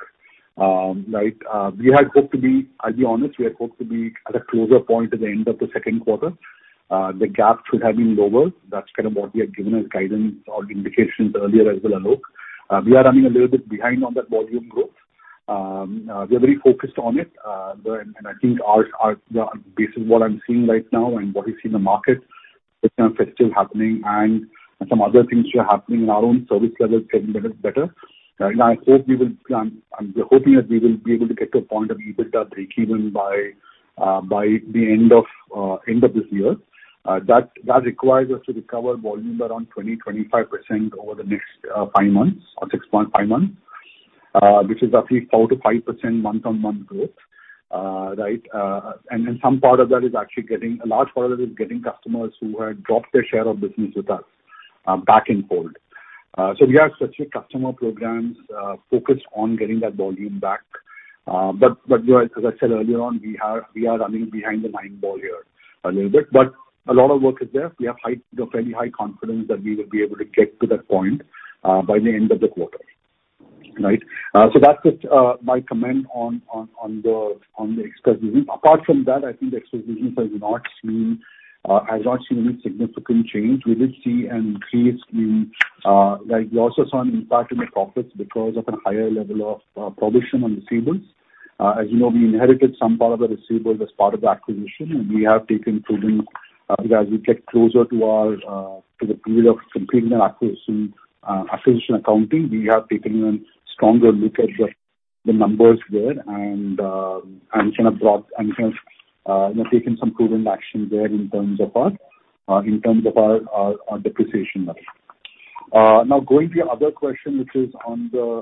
Right, we had hoped to be, I'll be honest, we had hoped to be at a closer point at the end of the second quarter. The gap should have been lower. That's kind of what we had given as guidance or indications earlier as well, Alok. We are running a little bit behind on that volume growth. We are very focused on it. I think, based on what I'm seeing right now and what we see in the market, it's still happening and some other things which are happening in our own service level getting a little better. And I hope we will, I'm hoping that we will be able to get to a point of EBITDA breakeven by the end of this year. That requires us to recover volume around 20%-25% over the next five months or 6.5 months, which is roughly 4%-5% month-on-month growth. Right, and then a large part of that is getting customers who had dropped their share of business with us back on board. So we have specific customer programs focused on getting that volume back. But as I said earlier on, we are running behind the nine ball here a little bit. But a lot of work is there. We have fairly high confidence that we will be able to get to that point by the end of the quarter. Right? So that's just my comment on the express business. Apart from that, I think the express business has not seen any significant change. We did see an increase in, like, we also saw an impact in the profits because of a higher level of provision on receivables. As you know, we inherited some part of the receivables as part of the acquisition, and we have taken prudent, as we get closer to our to the period of completing the acquisition accounting, we have taken a stronger look at the numbers there and, and kind of brought and, you know, taken some prudent action there in terms of our depreciation level. Now going to your other question, which is on the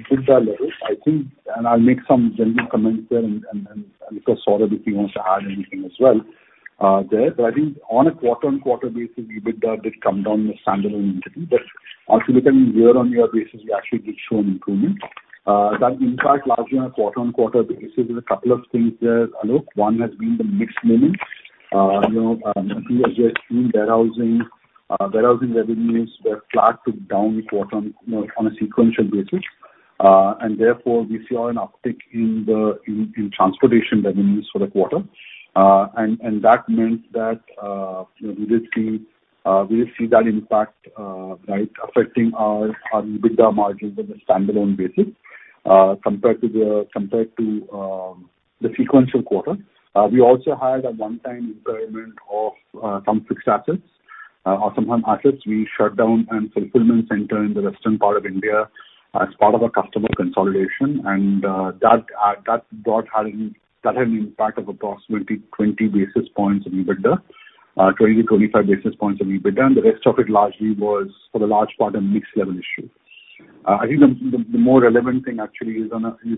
EBITDA levels, I think and I'll make some general comments there and of course, Saurabh, if he wants to add anything as well, there. But I think on a quarter-on-quarter basis, EBITDA did come down in the standalone entity, but also looking on a year-on-year basis, we actually did show an improvement. That impact largely on a quarter-on-quarter basis is a couple of things there, Alok. One has been the mix. You know, we are just seeing warehousing revenues were flat to down in the quarter on a sequential basis. And therefore, we see an uptick in the transportation revenues for the quarter. And that means that, you know, we see that impact right, affecting our EBITDA margins on a standalone basis compared to the sequential quarter. We also had a one-time impairment of some fixed assets or some assets. We shut down a fulfillment center in the western part of India as part of a customer consolidation, and that had an impact of approximately 20 basis points of EBITDA, 20-25 basis points of EBITDA, and the rest of it largely was for the large part, a mix level issue. I think the more relevant thing actually is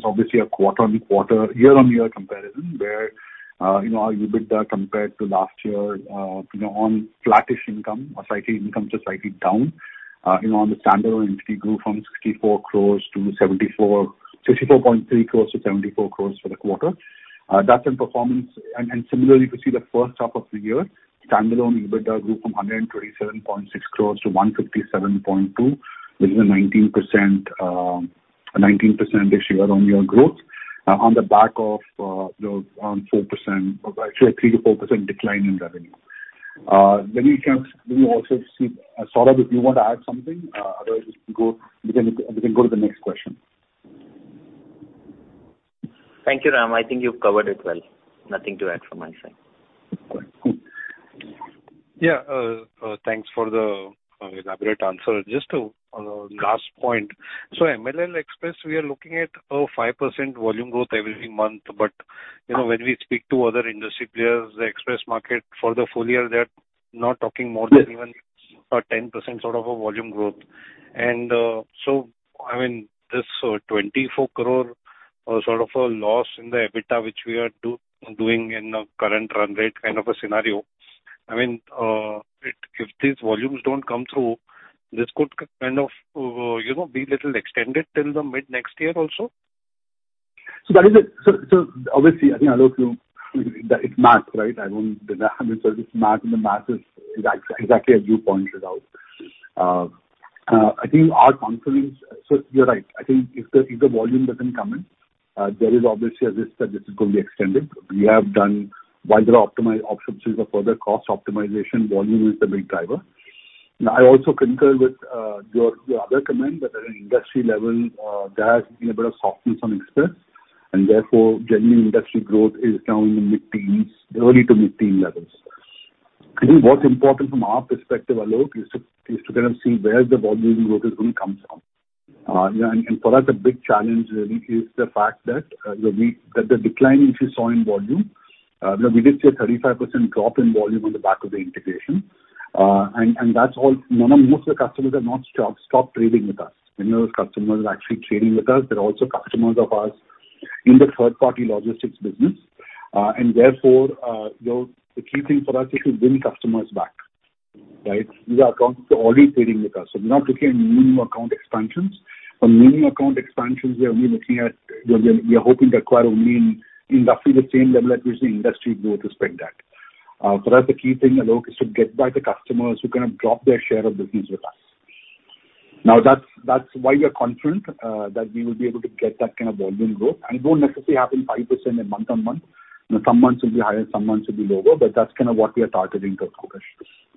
obviously a quarter-on-quarter, year-on-year comparison, where you know, our EBITDA compared to last year, you know, on flattish income or slightly income, just slightly down, you know, on the standalone entity grew from 64 crores to 74, 64.3 crores to 74 crores for the quarter. That's in performance. Similarly, if you see the first half of the year, standalone EBITDA grew from 127.6 crore to 157.2 crore, which is a 19%, a 19% year-on-year growth, on the back of, you know, 4%, or actually a 3%-4% decline in revenue. Let me check. Let me also see. Saurabh, if you want to add something, otherwise we can go, we can, we can go to the next question. Thank you, Ram. I think you've covered it well. Nothing to add from my side. All right, cool. Yeah, thanks for the elaborate answer. Just to last point: so MLL Express, we are looking at a 5% volume growth every month, but, you know, when we speak to other industry players, the express market for the full year, they're not talking more than even a 10% sort of a volume growth. And, so I mean, this 24 crore sort of a loss in the EBITDA, which we are doing in a current run rate kind of a scenario, I mean, if these volumes don't come through, this could kind of, you know, be little extended till the mid-next year also? So that is it. So, so obviously, I think, Alok, you... It's math, right? I'm one hundred percent it's math, and the math is exactly as you pointed out. I think our confidence... So you're right. I think if the, if the volume doesn't come in, there is obviously a risk that this is going to be extended. We have done wider options for further cost optimization. Volume is the big driver. And I also concur with your, your other comment that at an industry level, there has been a bit of softness on express, and therefore, general industry growth is now in the mid-teens, early to mid-teen levels. I think what's important from our perspective, Alok, is to, is to kind of see where the volume growth is going to come from. Yeah, and for us, the big challenge really is the fact that, you know, that the decline which we saw in volume, you know, we did see a 35% drop in volume on the back of the integration. And that's all. Most of the customers have not stopped trading with us. Many of those customers are actually trading with us. They're also customers of ours in the third-party logistics business. And therefore, you know, the key thing for us is to win customers back, right? These are accounts that are already trading with us, so we're not looking at new account expansions. From new account expansions, we are only looking at, you know, we are hoping to acquire only in, in roughly the same level at which the industry grows to expect that. So that's the key thing, Alok, is to get back the customers who kind of drop their share of business with us. Now, that's, that's why we are confident that we will be able to get that kind of volume growth. And it won't necessarily happen 5% in month-on-month. You know, some months will be higher, some months will be lower, but that's kind of what we are targeting, though.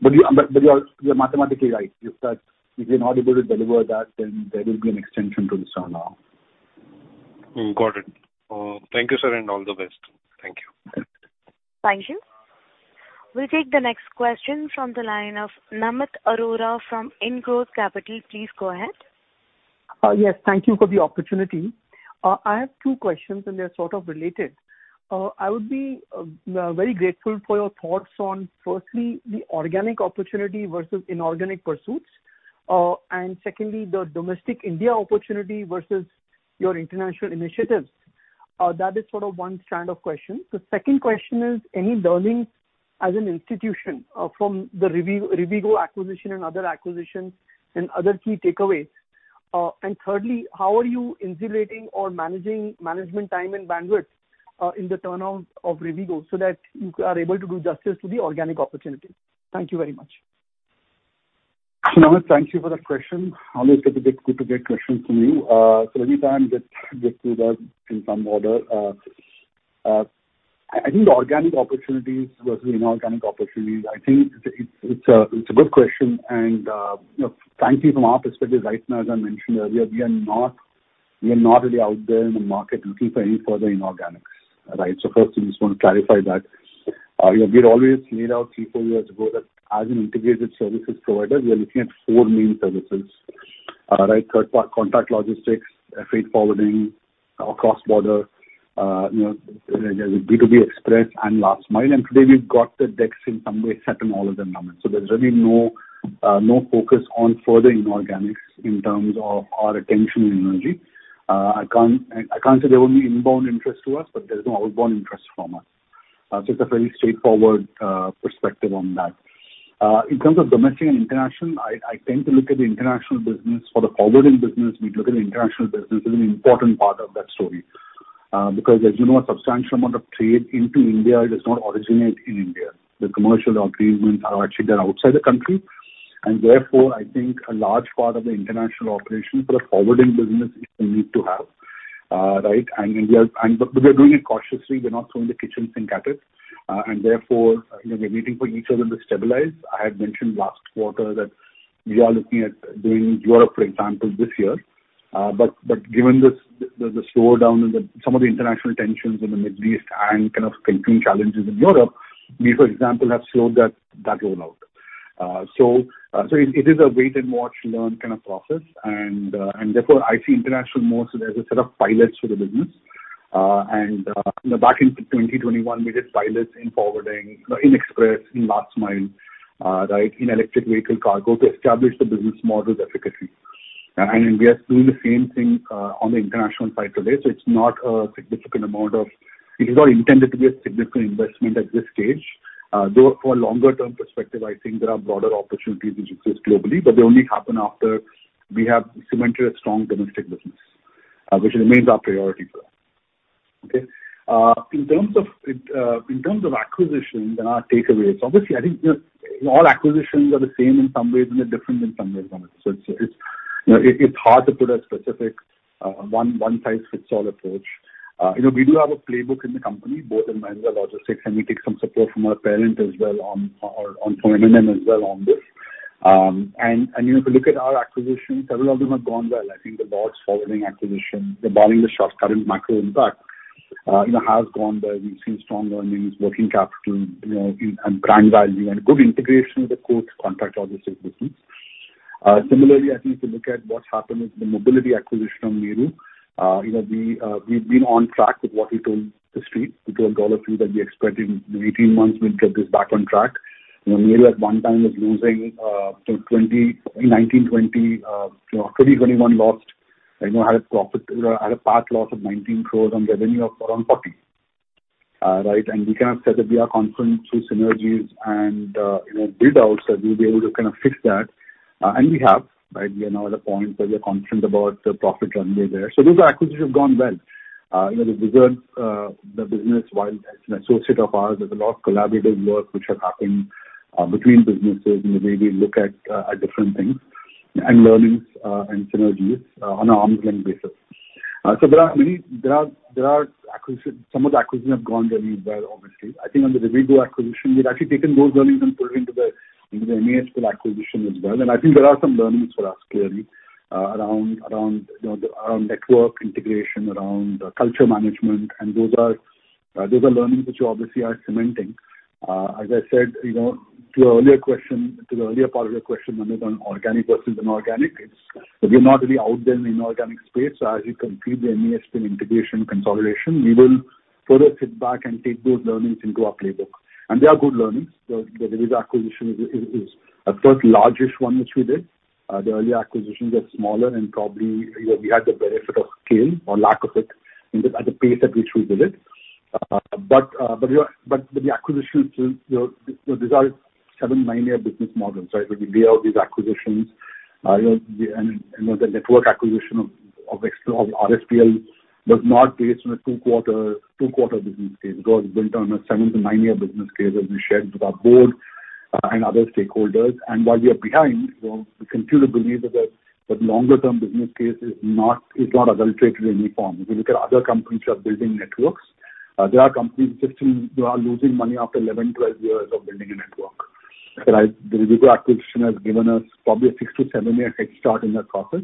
But you are, but you are-- you're mathematically right, is that if we're not able to deliver that, then there will be an extension to this turnover. Got it. Thank you, sir, and all the best. Thank you. Thank you. We'll take the next question from the line of Namit Arora from IndGrowth Capital. Please go ahead. Yes, thank you for the opportunity. I have two questions, and they're sort of related. I would be very grateful for your thoughts on, firstly, the organic opportunity versus inorganic pursuits. And secondly, the domestic India opportunity versus your international initiatives. That is sort of one strand of question. The second question is any learnings as an institution from the Rivigo acquisition and other acquisitions and other key takeaways. And thirdly, how are you insulating or managing management time and bandwidth in the turnout of Rivigo so that you are able to do justice to the organic opportunity? Thank you very much. Namit, thank you for that question. Always good to get questions from you. So let me try and get through that in some order. I think organic opportunities versus inorganic opportunities, I think it's a good question, and, you know, frankly, from our perspective, right now, as I mentioned earlier, we are not really out there in the market looking for any further inorganics, right? So first, we just want to clarify that. You know, we had always laid out 3-4 years ago that as an integrated services provider, we are looking at four main services. Right, third-party contract logistics, freight forwarding, cross-border, you know, B2B express and last mile, and today we've got the decks in some way set in all of them, Namit. So there's really no, no focus on further inorganics in terms of our attention and energy. I can't, I can't say there won't be inbound interest to us, but there's no outbound interest from us. So it's a very straightforward, perspective on that. In terms of domestic and international, I tend to look at the international business for the forwarding business. We look at the international business as an important part of that story, because as you know, a substantial amount of trade into India does not originate in India. The commercial agreements are actually done outside the country, and therefore, I think a large part of the international operation for a forwarding business we need to have, right? And India-- and but we are doing it cautiously. We're not throwing the kitchen sink at it. And therefore, you know, we're waiting for each of them to stabilize. I had mentioned last quarter that we are looking at doing Europe, for example, this year. But given this, the slowdown and some of the international tensions in the Middle East and kind of continuing challenges in Europe, we, for example, have slowed that rollout. So it is a wait and watch learn kind of process and, and therefore, I see international more so as a set of pilots for the business. And, you know, back in 2021, we did pilots in forwarding, in express, in last mile, right, in electric vehicle cargo to establish the business model's efficacy. And we are doing the same thing, on the international side today. So it's not a significant amount of. It is not intended to be a significant investment at this stage. Though, for longer term perspective, I think there are broader opportunities which exist globally, but they only happen after we have cemented a strong domestic business, which remains our priority for now, okay? In terms of acquisitions and our takeaways, obviously, I think, you know, all acquisitions are the same in some ways and are different in some ways, Namit. So it's, you know, it's hard to put a specific one size fits all approach. You know, we do have a playbook in the company, both in Mahindra Logistics, and we take some support from our parent as well on, on from M&M as well on this. And, you know, if you look at our acquisitions, several of them have gone well. I think the LORDS forwarding acquisition, barring the short-term macro impact, you know, has gone well. We've seen strong earnings, working capital, you know, and brand value and good integration with the core contract logistics business. Similarly, I think if you look at what's happened with the mobility acquisition of Meru, you know, we, we've been on track with what we told the street. We told all of you that we expected in 18 months, we'll get this back on track. You know, Meru at one time was losing 20 crore in 19-20, you know, 2021 lost, you know, had a PAT loss of 19 crore on revenue of around 40 crore. Right? We kind of said that we are confident through synergies and, you know, build outs that we'll be able to kind of fix that, and we have, right? We are now at a point where we are confident about the profit journey there. So those acquisitions have gone well. You know, the Whizzard, the business, while it's an associate of ours, there's a lot of collaborative work which are happening, between businesses and the way we look at, at different things and learnings, and synergies on an ongoing basis. So there are acquisitions—some of the acquisitions have gone very well, obviously. I think on the Rivigo acquisition, we've actually taken those learnings and put it into the, into the MESPL acquisition as well. I think there are some learnings for us clearly, around, you know, around network integration, around culture management. And those are, those are learnings which obviously are cementing. As I said, you know, to your earlier question, to the earlier part of your question, Namit, on organic versus inorganic, we're not really out there in the inorganic space. So as you complete the MESPL integration consolidation, we will further sit back and take those learnings into our playbook. And they are good learnings. The Rivigo acquisition is a first largest one, which we did. The earlier acquisitions were smaller and probably, you know, we had the benefit of scale or lack of it in the at the pace at which we did it. But the acquisitions, you know, these are 7-9-year business models, right? When we build these acquisitions, you know, the network acquisition of RSPL was not based on a 2-quarter business case. It was built on a 7-9-year business case, as we shared with our board and other stakeholders. And while we are behind, you know, we continue to believe that the longer term business case is not adulterated in any form. If you look at other companies which are building networks, there are companies which seem they are losing money after 11-12 years of building a network, right? The Rivigo acquisition has given us probably a 6-7-year head start in that process.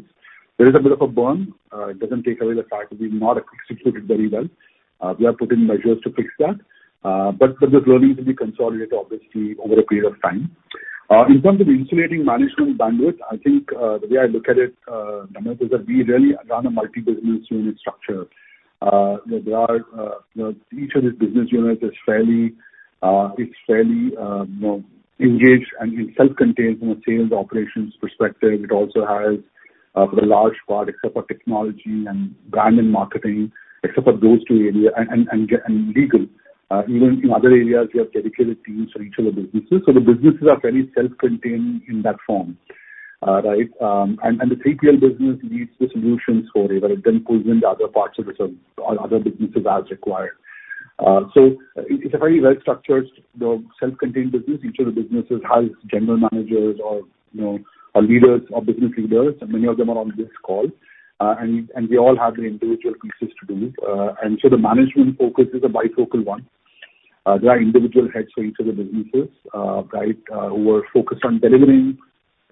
There is a bit of a burn. It doesn't take away the fact that we've not executed very well. We are putting measures to fix that, but, but those learnings will be consolidated, obviously, over a period of time. In terms of insulating management bandwidth, I think, the way I look at it, Amit, is that we really run a multi-business unit structure. There are, you know, each of these business units is fairly, is fairly, you know, engaged and, and self-contained from a sales operations perspective. It also has, for the large part, except for technology and brand and marketing, except for those two areas and, and, and, and legal, even in other areas, we have dedicated teams for each of the businesses. So the businesses are fairly self-contained in that form, right? And the 3PL business leads the solutions for it, but it then pulls in the other parts of the service or other businesses as required. So it's a very well-structured, you know, self-contained business. Each of the businesses has general managers or, you know, or leaders or business leaders, and many of them are on this call. And they all have their individual pieces to do. And so the management focus is a bifocal one. There are individual heads for each of the businesses, right, who are focused on delivering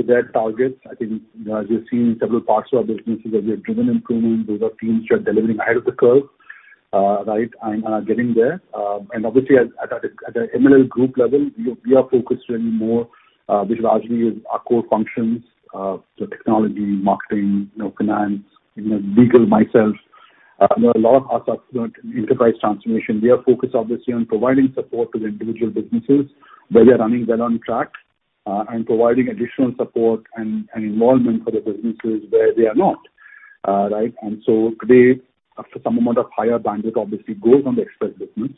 to their targets. I think, as you've seen in several parts of our businesses, as we have driven improvement, those are teams which are delivering ahead of the curve, right, and getting there. And obviously at a MLL group level, we are focused on more, which largely is our core functions, so technology, marketing, you know, finance, you know, legal, myself. You know, a lot of us are enterprise transformation. We are focused obviously on providing support to the individual businesses, where they are running well on track, and providing additional support and involvement for the businesses where they are not. Right? And so today, after some amount of higher bandwidth obviously goes on the express business.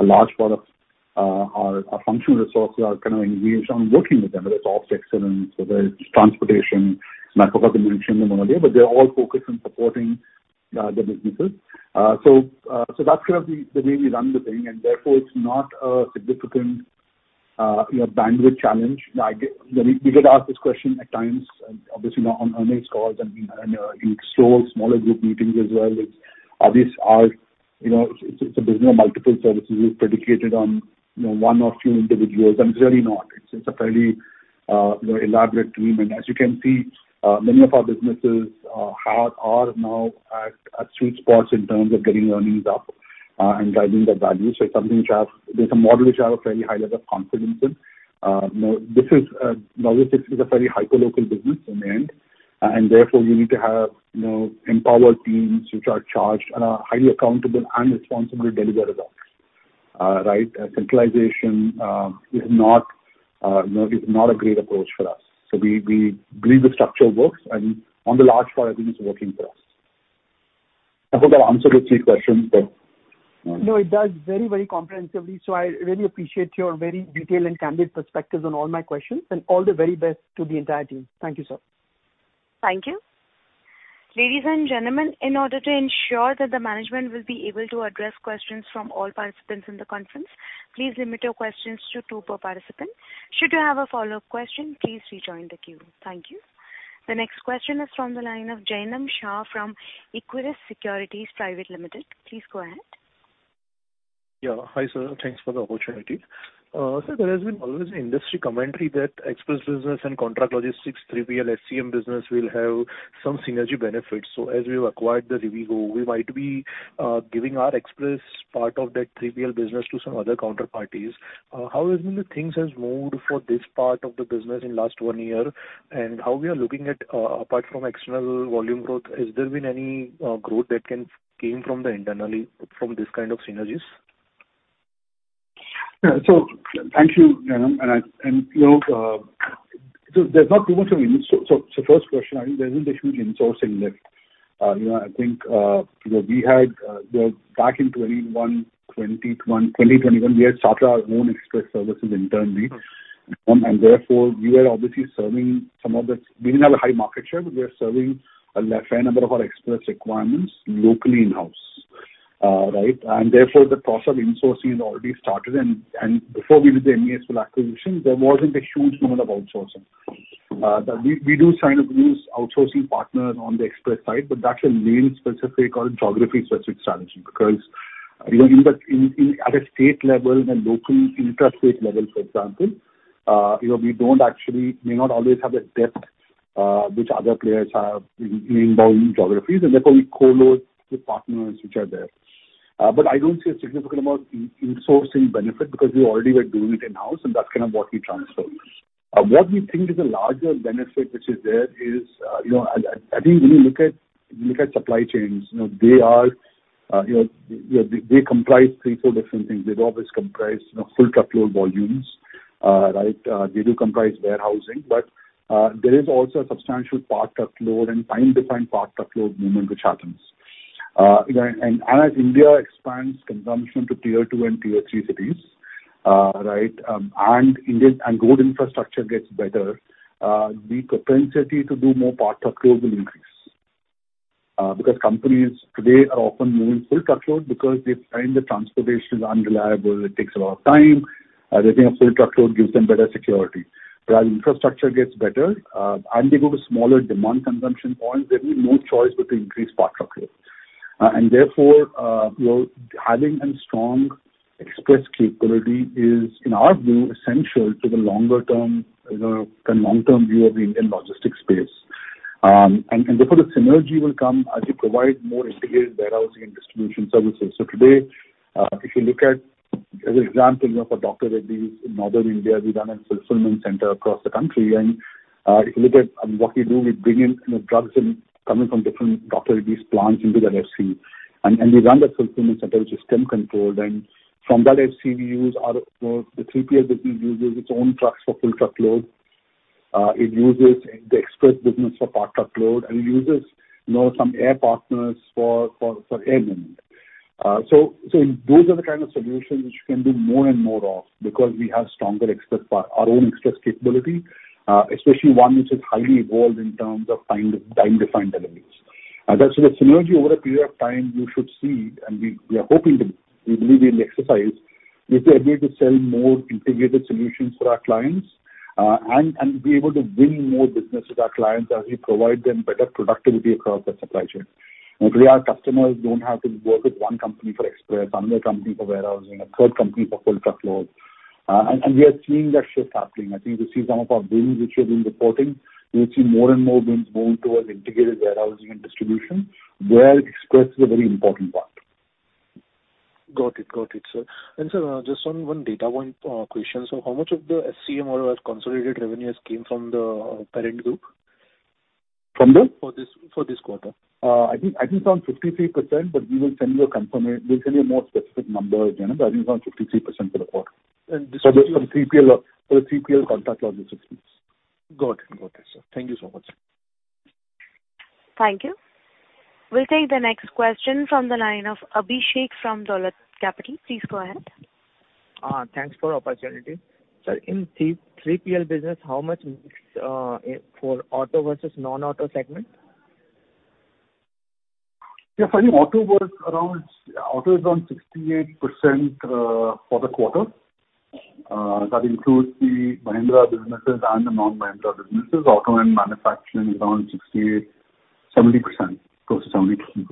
A large part of our functional resources are kind of engaged on working with them, whether it's ops excellence, whether it's transportation. And I forgot to mention them earlier, but they're all focused on supporting the businesses. So, that's kind of the way we run the thing, and therefore, it's not a significant, you know, bandwidth challenge. Now, I get... We get asked this question at times, and obviously, you know, on earnings calls and in smaller group meetings as well. It's obvious our, you know, it's a business of multiple services. We've predicated on, you know, one or few individuals, and it's really not. It's a fairly, you know, elaborate team. And as you can see, many of our businesses are now at sweet spots in terms of getting earnings up and driving the value. So it's something which I have—There's a model which I have a very high level of confidence in. You know, this is obviously this is a very hyper local business in the end, and therefore, you need to have, you know, empowered teams which are charged and are highly accountable and responsibly deliver results. Right? Centralization is not, you know, is not a great approach for us. So we, we believe the structure works, and on the large part, I think it's working for us. I hope I've answered the three questions, but- No, it does very, very comprehensively. So I really appreciate your very detailed and candid perspectives on all my questions, and all the very best to the entire team. Thank you, sir. Thank you. Ladies and gentlemen, in order to ensure that the management will be able to address questions from all participants in the conference, please limit your questions to two per participant. Should you have a follow-up question, please rejoin the queue. Thank you. The next question is from the line of Jainam Shah from Equirus Securities Private Limited. Please go ahead. Yeah. Hi, sir. Thanks for the opportunity. Sir, there has been always an industry commentary that express business and contract logistics, 3PL SCM business, will have some synergy benefits. So as we've acquired the Rivigo, we might be giving our express part of that 3PL business to some other counterparties. How has been the things has moved for this part of the business in last one year? And how we are looking at, apart from external volume growth, has there been any growth that can came from the internally from this kind of synergies? Yeah. So thank you, Jainam. And I, and, you know, so there's not too much of ins-- So, so, so first question, I think there isn't a huge insourcing lift. You know, I think, you know, we had, you know, back in 2021, we had started our own express services internally. And therefore, we were obviously serving some of the... We didn't have a high market share, but we were serving a fair number of our express requirements locally in-house, right? And therefore, the process of insourcing has already started. And, and before we did the MESPL full acquisition, there wasn't a huge amount of outsourcing. But we do sign up new outsourcing partners on the express side, but that's a lane-specific or geography-specific strategy, because, you know, in the, in, in, at a state level and locally intra-state level, for example, you know, we don't actually may not always have the depth, which other players have in, in inbound geographies, and therefore, we co-load with partners which are there. But I don't see a significant amount in insourcing benefit because we already were doing it in-house, and that's kind of what we transferred. What we think is a larger benefit, which is there, is, you know, I think when you look at, look at supply chains, you know, they are, you know, they, they comprise three, four different things. They'd always comprise, you know, full truckload volumes, right? They do comprise warehousing, but there is also a substantial part truckload and time-defined part truckload movement, which happens. You know, and as India expands consumption to Tier 2 and Tier 3 cities, right, and Indian road infrastructure gets better, the propensity to do more part truckload will increase. Because companies today are often moving full truckload because they find the transportation is unreliable, it takes a lot of time, they think a full truckload gives them better security. But as infrastructure gets better, and they go to smaller demand consumption points, there will be no choice but to increase part truckload. And therefore, you know, having a strong express capability is, in our view, essential to the longer term, you know, the long-term view of the Indian logistics space. And therefore the synergy will come as you provide more integrated warehousing and distribution services. So today, if you look at, as an example, you know, for Dr. Reddy's in northern India, we run a fulfillment center across the country. And if you look at what we do, we bring in, you know, drugs in coming from different Dr. Reddy's plants into that FC. And we run the fulfillment center, which is temp controlled, and from that FC, we use our, you know, the 3PL business uses its own trucks for full truckload. It uses the express business for part truckload, and it uses, you know, some air partners for air. So, so those are the kind of solutions which you can do more and more of, because we have stronger express—our own express capability, especially one which is highly evolved in terms of time-defined deliveries. And that's where synergy over a period of time you should see, and we are hoping to—we believe we will exercise, is the ability to sell more integrated solutions to our clients, and be able to win more business with our clients as we provide them better productivity across the supply chain. And today, our customers don't have to work with one company for express, another company for warehousing, a third company for full truckload. And we are seeing that shift happening. I think you will see some of our wins which we've been reporting. You will see more and more wins moving towards integrated warehousing and distribution, where express is a very important part. Got it. Got it, sir. Sir, just on one data point question. How much of the SCM or consolidated revenues came from the parent group? From the? For this quarter. I think, I think around 53%, but we will send you a confirmation. We'll send you a more specific number, Jainam, but I think around 53% for the quarter. And this- From 3PL, for the 3PL contract logistics. Got it. Got it, sir. Thank you so much. Thank you. We'll take the next question from the line of Abhishek from Dolat Capital. Please go ahead. Thanks for the opportunity. Sir, in 3PL business, how much mix for auto versus non-auto segment? Yeah, for auto was around. Auto is around 68%, for the quarter. That includes the Mahindra businesses and the non-Mahindra businesses. Auto and manufacturing is around 68%-70%. Close to 70%.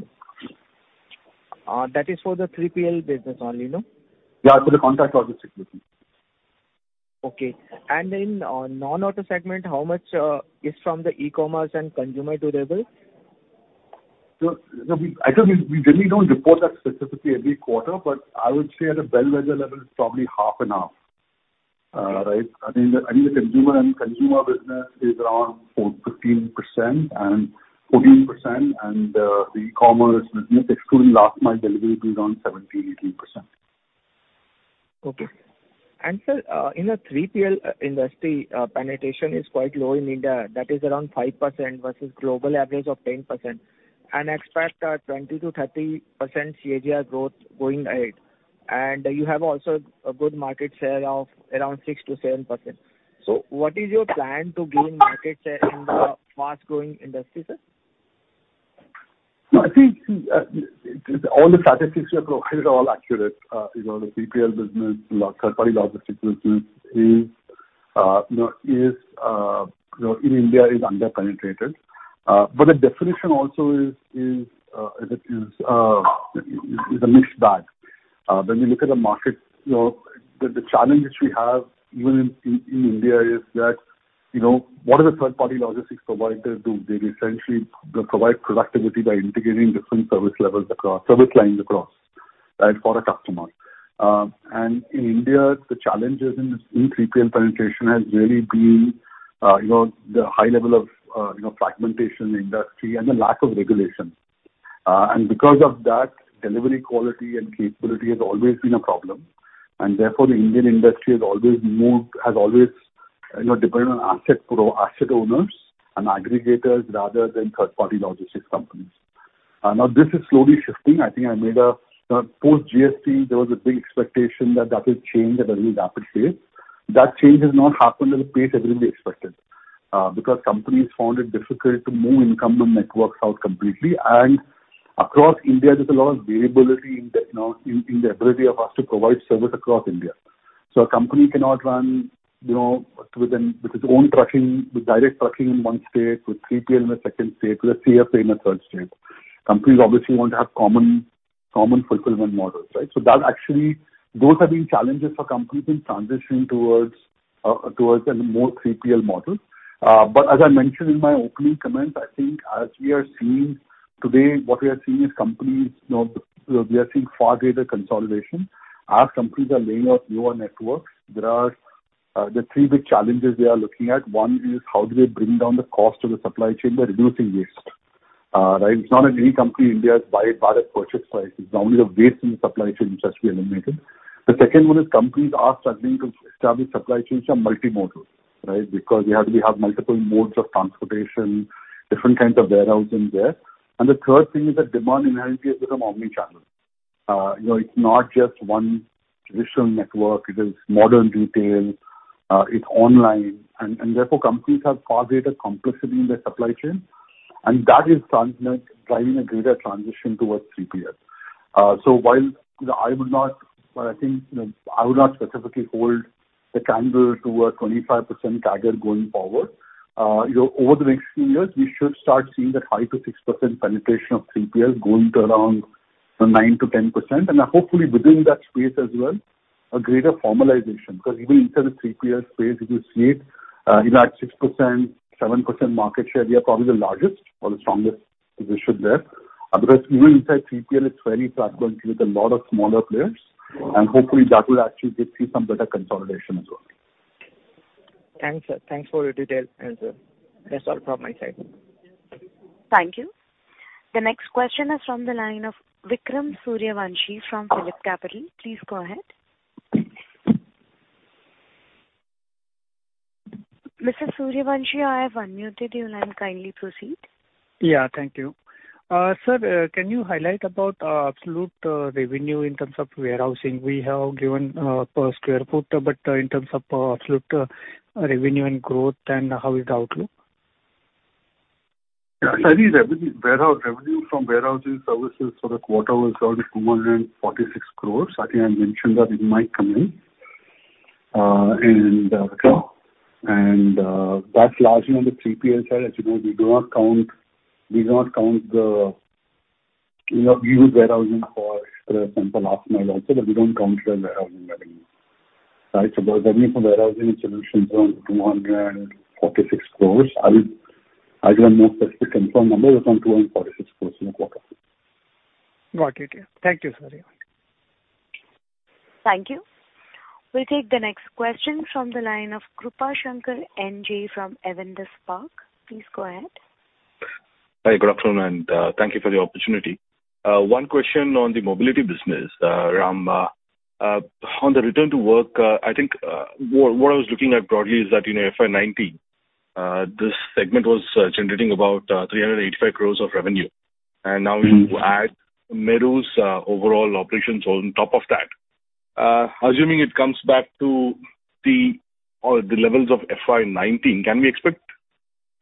That is for the 3PL business only, no? Yeah, for the contract logistics. Okay. And in the non-auto segment, how much is from the e-commerce and consumer durable? So, no, we—I think we really don't report that specifically every quarter, but I would say at a bellwether level, it's probably half and half. Right. I think the consumer and consumer business is around 15% and 14%, and the e-commerce business, excluding last mile delivery, is around 17%-18%. Okay. Sir, in the 3PL industry, penetration is quite low in India. That is around 5% versus global average of 10%. Expect 20%-30% CAGR growth going ahead. You have also a good market share of around 6%-7%. What is your plan to gain market share in the fast-growing industry, sir? No, I think, all the statistics you have provided are all accurate. You know, the 3PL business, third-party logistics business is, you know, is, you know, in India is under-penetrated. But the definition also is, is, is a mixed bag. When we look at the market, you know, the challenge which we have even in India is that, you know, what are the third-party logistics providers do? They essentially, they provide productivity by integrating different service levels across service lines across, right, for a customer. And in India, the challenges in this, in 3PL penetration has really been, you know, the high level of, you know, fragmentation in industry and the lack of regulation. And because of that, delivery quality and capability has always been a problem, and therefore, the Indian industry has always moved, has always, you know, depended on asset owners and aggregators rather than third-party logistics companies. Now this is slowly shifting. I think I made a... Post GST, there was a big expectation that that will change at a very rapid pace. That change has not happened at the pace everybody expected, because companies found it difficult to move incumbent networks out completely. And across India, there's a lot of variability in the, you know, in, in the ability of us to provide service across India. So a company cannot run, you know, with its own trucking, with direct trucking in one state, with 3PL in a second state, with a CFA in a third state. Companies obviously want to have common, common fulfillment models, right? So that actually, those have been challenges for companies in transitioning towards, towards a more 3PL model. But as I mentioned in my opening comments, I think as we are seeing today, what we are seeing is companies, you know, we are seeing far greater consolidation. As companies are laying off newer networks, there are, the three big challenges they are looking at. One is, how do they bring down the cost of the supply chain by reducing waste? Right. It's not that any company in India is buying product purchase price. It's only the waste in the supply chain which has to be eliminated. The second one is companies are struggling to establish supply chains that are multimodal... right? Because we have, we have multiple modes of transportation, different kinds of warehousing there. And the third thing is that demand inherently has become omni-channel. You know, it's not just one traditional network, it is modern retail, it's online. And therefore, companies have far greater complexity in their supply chain, and that is driving a greater transition towards 3PL. So while, you know, I would not, well, I think, you know, I would not specifically hold the candle to a 25% CAGR going forward. You know, over the next few years, we should start seeing that 5%-6% penetration of 3PL going to around, you know, 9%-10%. And hopefully within that space as well, a greater formalization. Because even inside the 3PL space, if you see it, you know, at 6%, 7% market share, we are probably the largest or the strongest position there. Otherwise, even inside 3PL, it's very fragmented, with a lot of smaller players, and hopefully, that will actually give you some better consolidation as well. Thanks, sir. Thanks for your details as well. That's all from my side. Thank you. The next question is from the line of Vikram Suryavanshi from PhillipCapital. Please go ahead. Mr. Suryavanshi, I have unmuted you. Now kindly proceed. Yeah. Thank you. Sir, can you highlight about absolute revenue in terms of warehousing? We have given per square foot, but in terms of absolute revenue and growth, and how is the outlook? Yeah. So I think revenue, warehouse revenue from warehousing services for the quarter was around 246 crores. I think I mentioned that in my comments. And that's largely on the 3PL side. As you know, we do not count, we do not count the... You know, we use warehousing for last mile also, but we don't count it as warehousing revenue. Right. So the revenue for warehousing solutions was 246 crores. I will, I'll give a more specific informed number. It was around 246 crores in the quarter. Got it. Thank you, sir. Thank you. We'll take the next question from the line of Krupashankar NJ from Avendus Spark. Please go ahead. Hi, good afternoon, and thank you for the opportunity. One question on the mobility business, Ram. On the return to work, I think what I was looking at broadly is that, you know, FY 2019 this segment was generating about 385 crores of revenue. And now you add Meru's overall operations on top of that. Assuming it comes back to the, or the levels of FY 2019, can we expect,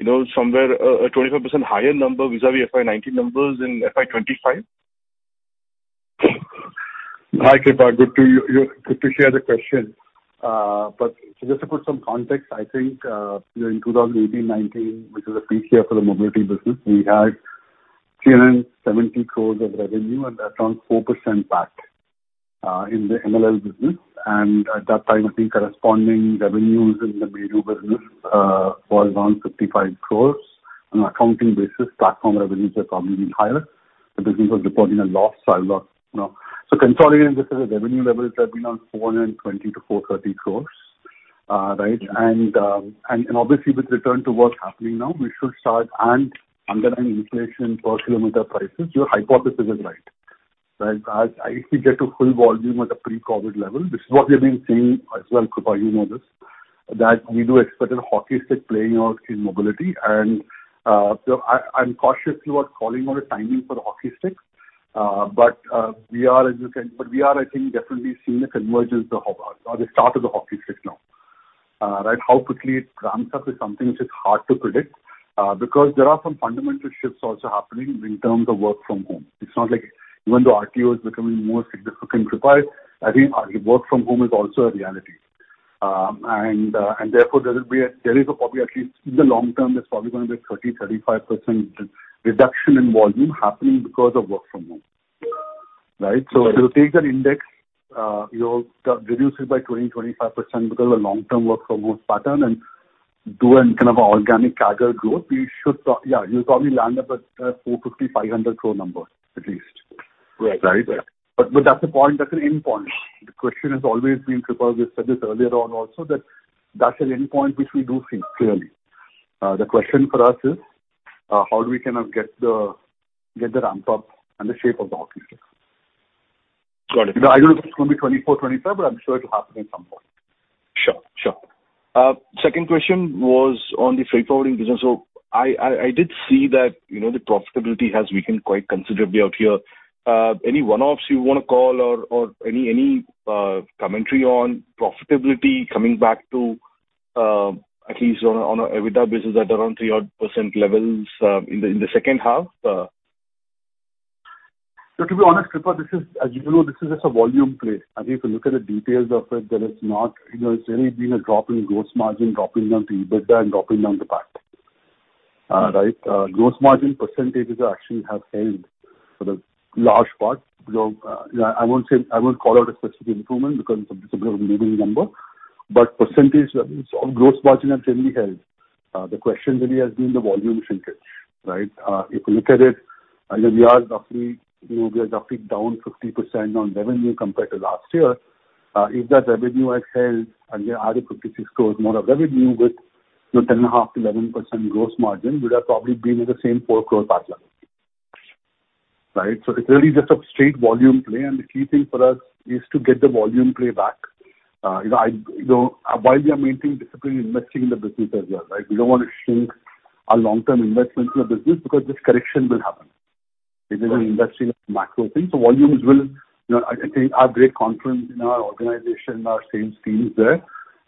you know, somewhere a 25% higher number vis-a-vis FY 2019 numbers in FY 2025? Hi, Krupa. Good to hear the question. But just to put some context, I think, you know, in 2018/19, which is a peak year for the mobility business, we had 370 crore of revenue, and that's around 4% PAT in the MLL business. And at that time, I think corresponding revenues in the Meru business was around 55 crore. On accounting basis, platform revenues are probably higher. The business was reporting a loss, so I've lost, you know. So consolidating this at a revenue level, it had been around 420 crore-430 crore, right? Mm-hmm. And obviously with return to work happening now, we should start. And underlying inflation per kilometer prices, your hypothesis is right, right? As we get to full volume at a pre-COVID level, this is what we have been saying as well, Krupa, you know this, that we do expect a hockey stick playing out in mobility. So I, I'm cautious about calling on a timing for the hockey sticks. But we are, I think, definitely seeing the convergence of, or the start of the hockey stick now. Right. How quickly it ramps up is something which is hard to predict, because there are some fundamental shifts also happening in terms of work from home. It's not like even though RTO is becoming more significant, Krupa, I think work from home is also a reality. And therefore, there is a probably at least in the long term, there's probably gonna be a 30%-35% reduction in volume happening because of work from home. Right? Right. If you take that index, you reduce it by 20%-25% because of the long-term work from home pattern and do a kind of organic CAGR growth. Yeah, you'll probably land up at 450-500 crore number at least. Right. Right? But, but that's a point, that's an endpoint. The question has always been, Krupa, we've said this earlier on also, that that's an endpoint which we do see clearly. The question for us is, how do we kind of get the ramp up and the shape of the hockey stick? Got it. I don't know if it's gonna be 2024, 2025, but I'm sure it'll happen at some point. Sure, sure. Second question was on the freight forwarding business. So I did see that, you know, the profitability has weakened quite considerably out here. Any one-offs you want to call or any commentary on profitability coming back to at least on an EBITDA basis at around 3-odd% levels in the second half? So to be honest, Krupa, this is... As you know, this is just a volume play. I think if you look at the details of it, there is not, you know, there's really been a drop in gross margin, dropping down to EBITDA and dropping down the PAT, right? Gross margin percentages actually have held for the large part. You know, I won't say- I won't call out a specific improvement because it's a moving number, but percentage of gross margin have generally held. The question really has been the volume shrinkage, right? If you look at it, we are roughly, you know, we are roughly down 50% on revenue compared to last year. If that revenue had held and there are 56 crore more of revenue with, you know, 10.5%-11% gross margin, we'd have probably been at the same 4 crore PAT line.... Right. So it's really just a straight volume play, and the key thing for us is to get the volume play back. You know, I-- you know, while we are maintaining discipline, investing in the business as well, right? We don't want to shrink our long-term investment in the business because this correction will happen. It is an industrial macro thing, so volumes will, you know, I think have great confidence in our organization, our sales teams there.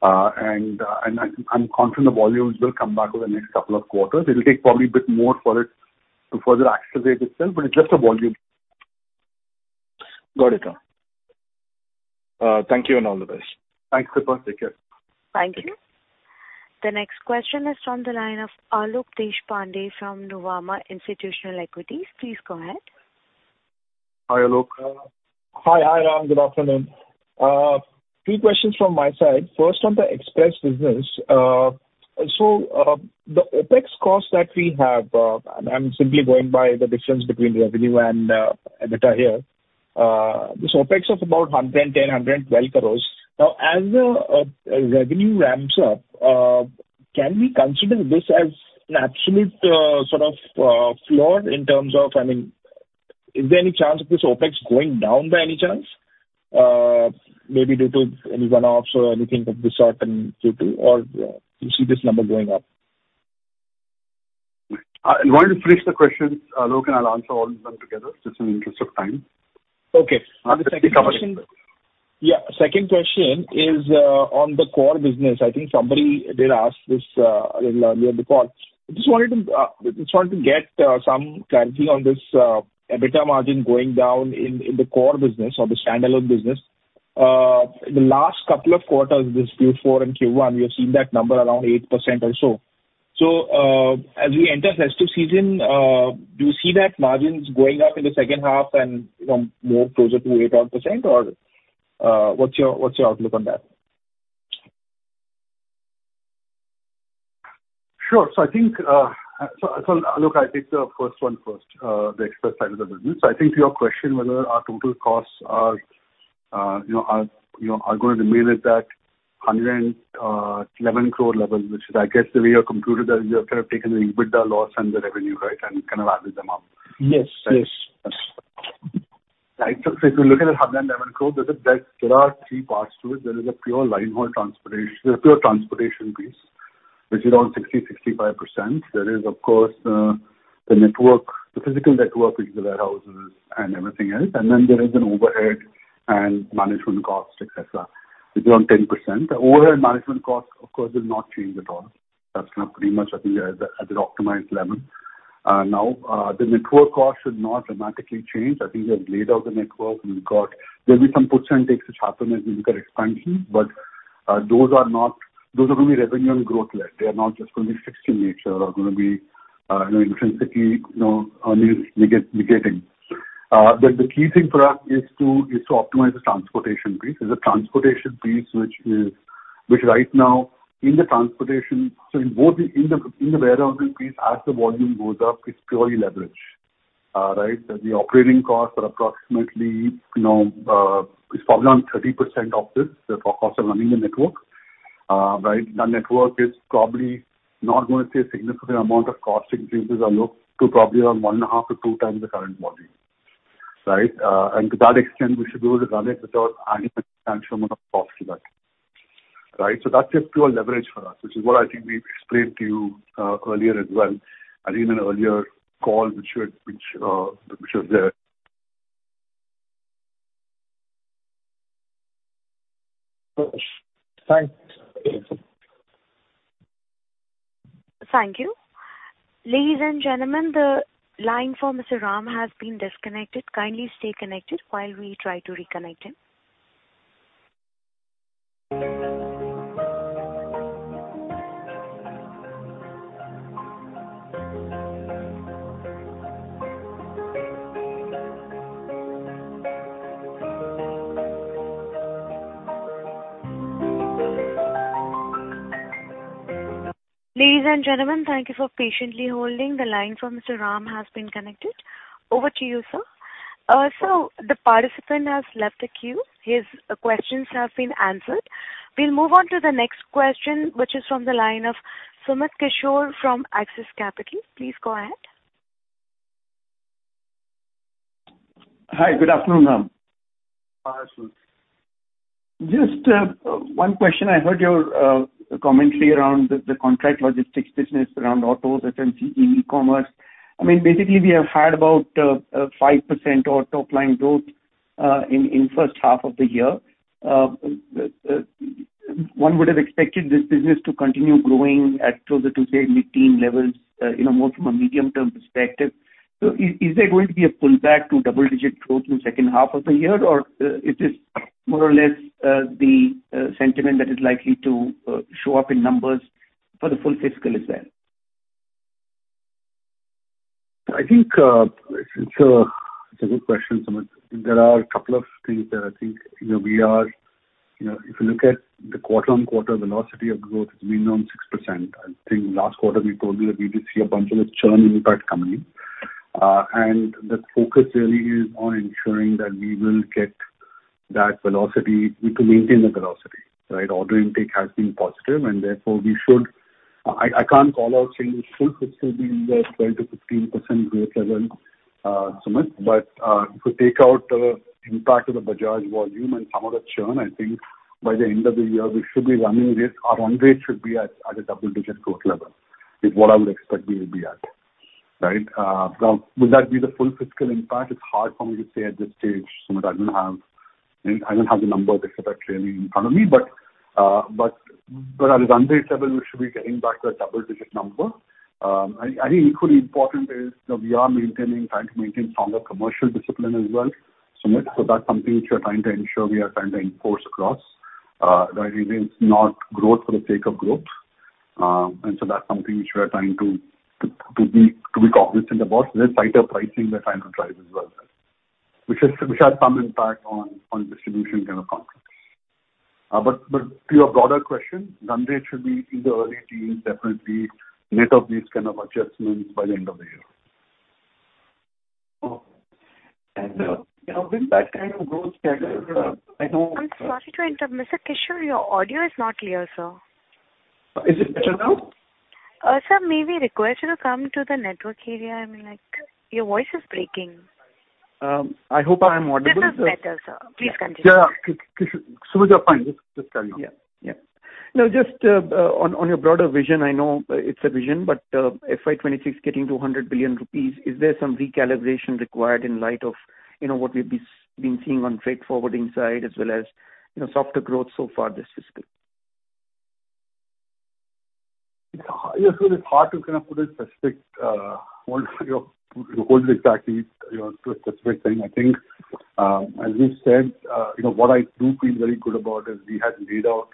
I'm confident the volumes will come back over the next couple of quarters. It'll take probably a bit more for it to further accelerate itself, but it's just a volume. Got it, thank you and all the best. Thanks, Krupa. Take care. Thank you. The next question is from the line of Alok Deshpande from Nuvama Institutional Equity. Please go ahead. Hi, Alok. Hi, hi, Ram. Good afternoon. Two questions from my side. First, on the express business. So, the OpEx costs that we have, I'm simply going by the difference between revenue and EBITDA here. This OpEx of about 110-112 crores. Now, as the revenue ramps up, can we consider this as an absolute sort of floor in terms of... I mean, is there any chance of this OpEx going down by any chance? Maybe due to any one-offs or anything of the sort, and due to, or, you see this number going up. Why don't you finish the questions, Alok, and I'll answer all of them together, just in the interest of time. Okay. I'll just take a couple. Yeah, second question is on the core business. I think somebody did ask this a little earlier in the call. I just wanted to just wanted to get some clarity on this EBITDA margin going down in the core business or the standalone business. The last couple of quarters, this Q4 and Q1, we have seen that number around 8% or so. So, as we enter festive season, do you see that margins going up in the second half and, you know, more closer to 8% or 10%, or what's your, what's your outlook on that? Sure. So I think, so Alok, I'll take the first one first, the express side of the business. So I think to your question, whether our total costs are, you know, are, you know, are going to remain at that 111 crore level, which I guess the way you have computed that, you have kind of taken the EBITDA loss and the revenue, right, and kind of added them up. Yes, yes. Right. So if you're looking at INR 111 crore, there are three parts to it. There is a pure line haul transportation, a pure transportation piece, which is around 60%-65%. There is, of course, the network, the physical network, which is the warehouses and everything else. And then there is an overhead and management cost, et cetera. It's around 10%. The overhead management cost, of course, does not change at all. That's, kind of, pretty much, I think, at an optimized level. Now, the network cost should not dramatically change. I think we have laid out the network. There'll be some puts and takes which happen as we look at expansion, but those are going to be revenue and growth led. They are not just going to be fixed in nature or going to be, you know, intrinsically, you know, negating. But the key thing for us is to optimize the transportation piece. As the transportation piece, which is, which right now in the transportation, so in both the, in the, in the warehousing piece, as the volume goes up, it's purely leverage. Right? The operating costs are approximately, you know, it's probably around 30% of this, the cost of running the network. Right. The network is probably not going to see a significant amount of cost increases or look to probably around 1.5-2 times the current volume. Right? And to that extent, we should be able to run it without adding a substantial amount of cost to that. Right? So that's a pure leverage for us, which is what I think we explained to you earlier as well, and even earlier call, which was there. Thanks. Thank you. Ladies and gentlemen, the line for Mr. Ram has been disconnected. Kindly stay connected while we try to reconnect him. Ladies and gentlemen, thank you for patiently holding. The line for Mr. Ram has been connected. Over to you, sir. The participant has left the queue. His questions have been answered. We'll move on to the next question, which is from the line of Sumit Kishore from Axis Capital. Please go ahead. Hi. Good afternoon, Ram. Hi, Sumit. Just one question. I heard your commentary around the contract logistics business around autos, FMCG, e-commerce. I mean, basically, we have heard about 5% or top line growth in the first half of the year. One would have expected this business to continue growing at closer to, say, mid-teen levels, you know, more from a medium-term perspective. So is there going to be a pullback to double-digit growth in the second half of the year? Or is this more or less the sentiment that is likely to show up in numbers for the full fiscal as well? I think, it's a, it's a good question, Sumit. There are a couple of things that I think, you know, we are. You know, if you look at the quarter-on-quarter, velocity of growth has been around 6%. I think last quarter we told you that we did see a bunch of the churn impact coming in. And the focus really is on ensuring that we will get, that velocity, we could maintain the velocity, right? Order intake has been positive and therefore we should. I, I can't call out saying it should still be in the 12%-15% growth level, uh, Sumit. But, uh, if we take out the impact of the Bajaj volume and some of the churn, I think by the end of the year, we should be running this. Our run rate should be at a double-digit growth level, is what I would expect we will be at, right? Now, will that be the full fiscal impact? It's hard for me to say at this stage, Sumit. I don't have the numbers actually in front of me. But at a run rate level, we should be getting back to a double-digit number. I think equally important is that we are maintaining, trying to maintain stronger commercial discipline as well, Sumit. So that's something which we are trying to ensure, we are trying to enforce across. That it is not growth for the sake of growth. And so that's something which we are trying to be cognizant about. There's tighter pricing we're trying to drive as well, which has, which had some impact on distribution kind of conflicts. But to your broader question, run rate should be in the early teens, definitely net of these kind of adjustments by the end of the year. Okay. And, you know, with that kind of growth schedule, I know- I'm sorry to interrupt. Mr. Kishore, your audio is not clear, sir. Is it better now? Sir, may we request you to come to the network area? I mean, like, your voice is breaking. I hope I am audible. This is better, sir. Please continue. Yeah, Sumit, you're fine. Just, just carry on. Yeah, yeah. Now, just, on your broader vision, I know it's a vision, but, FY 2026 getting to 100 billion rupees, is there some recalibration required in light of, you know, what we've been seeing on freight forwarding side as well as, you know, softer growth so far this fiscal? It's hard, yeah, so it's hard to kind of put a specific hold, you know, to hold exactly, you know, to a specific thing. I think, as we said, you know, what I do feel very good about is we had laid out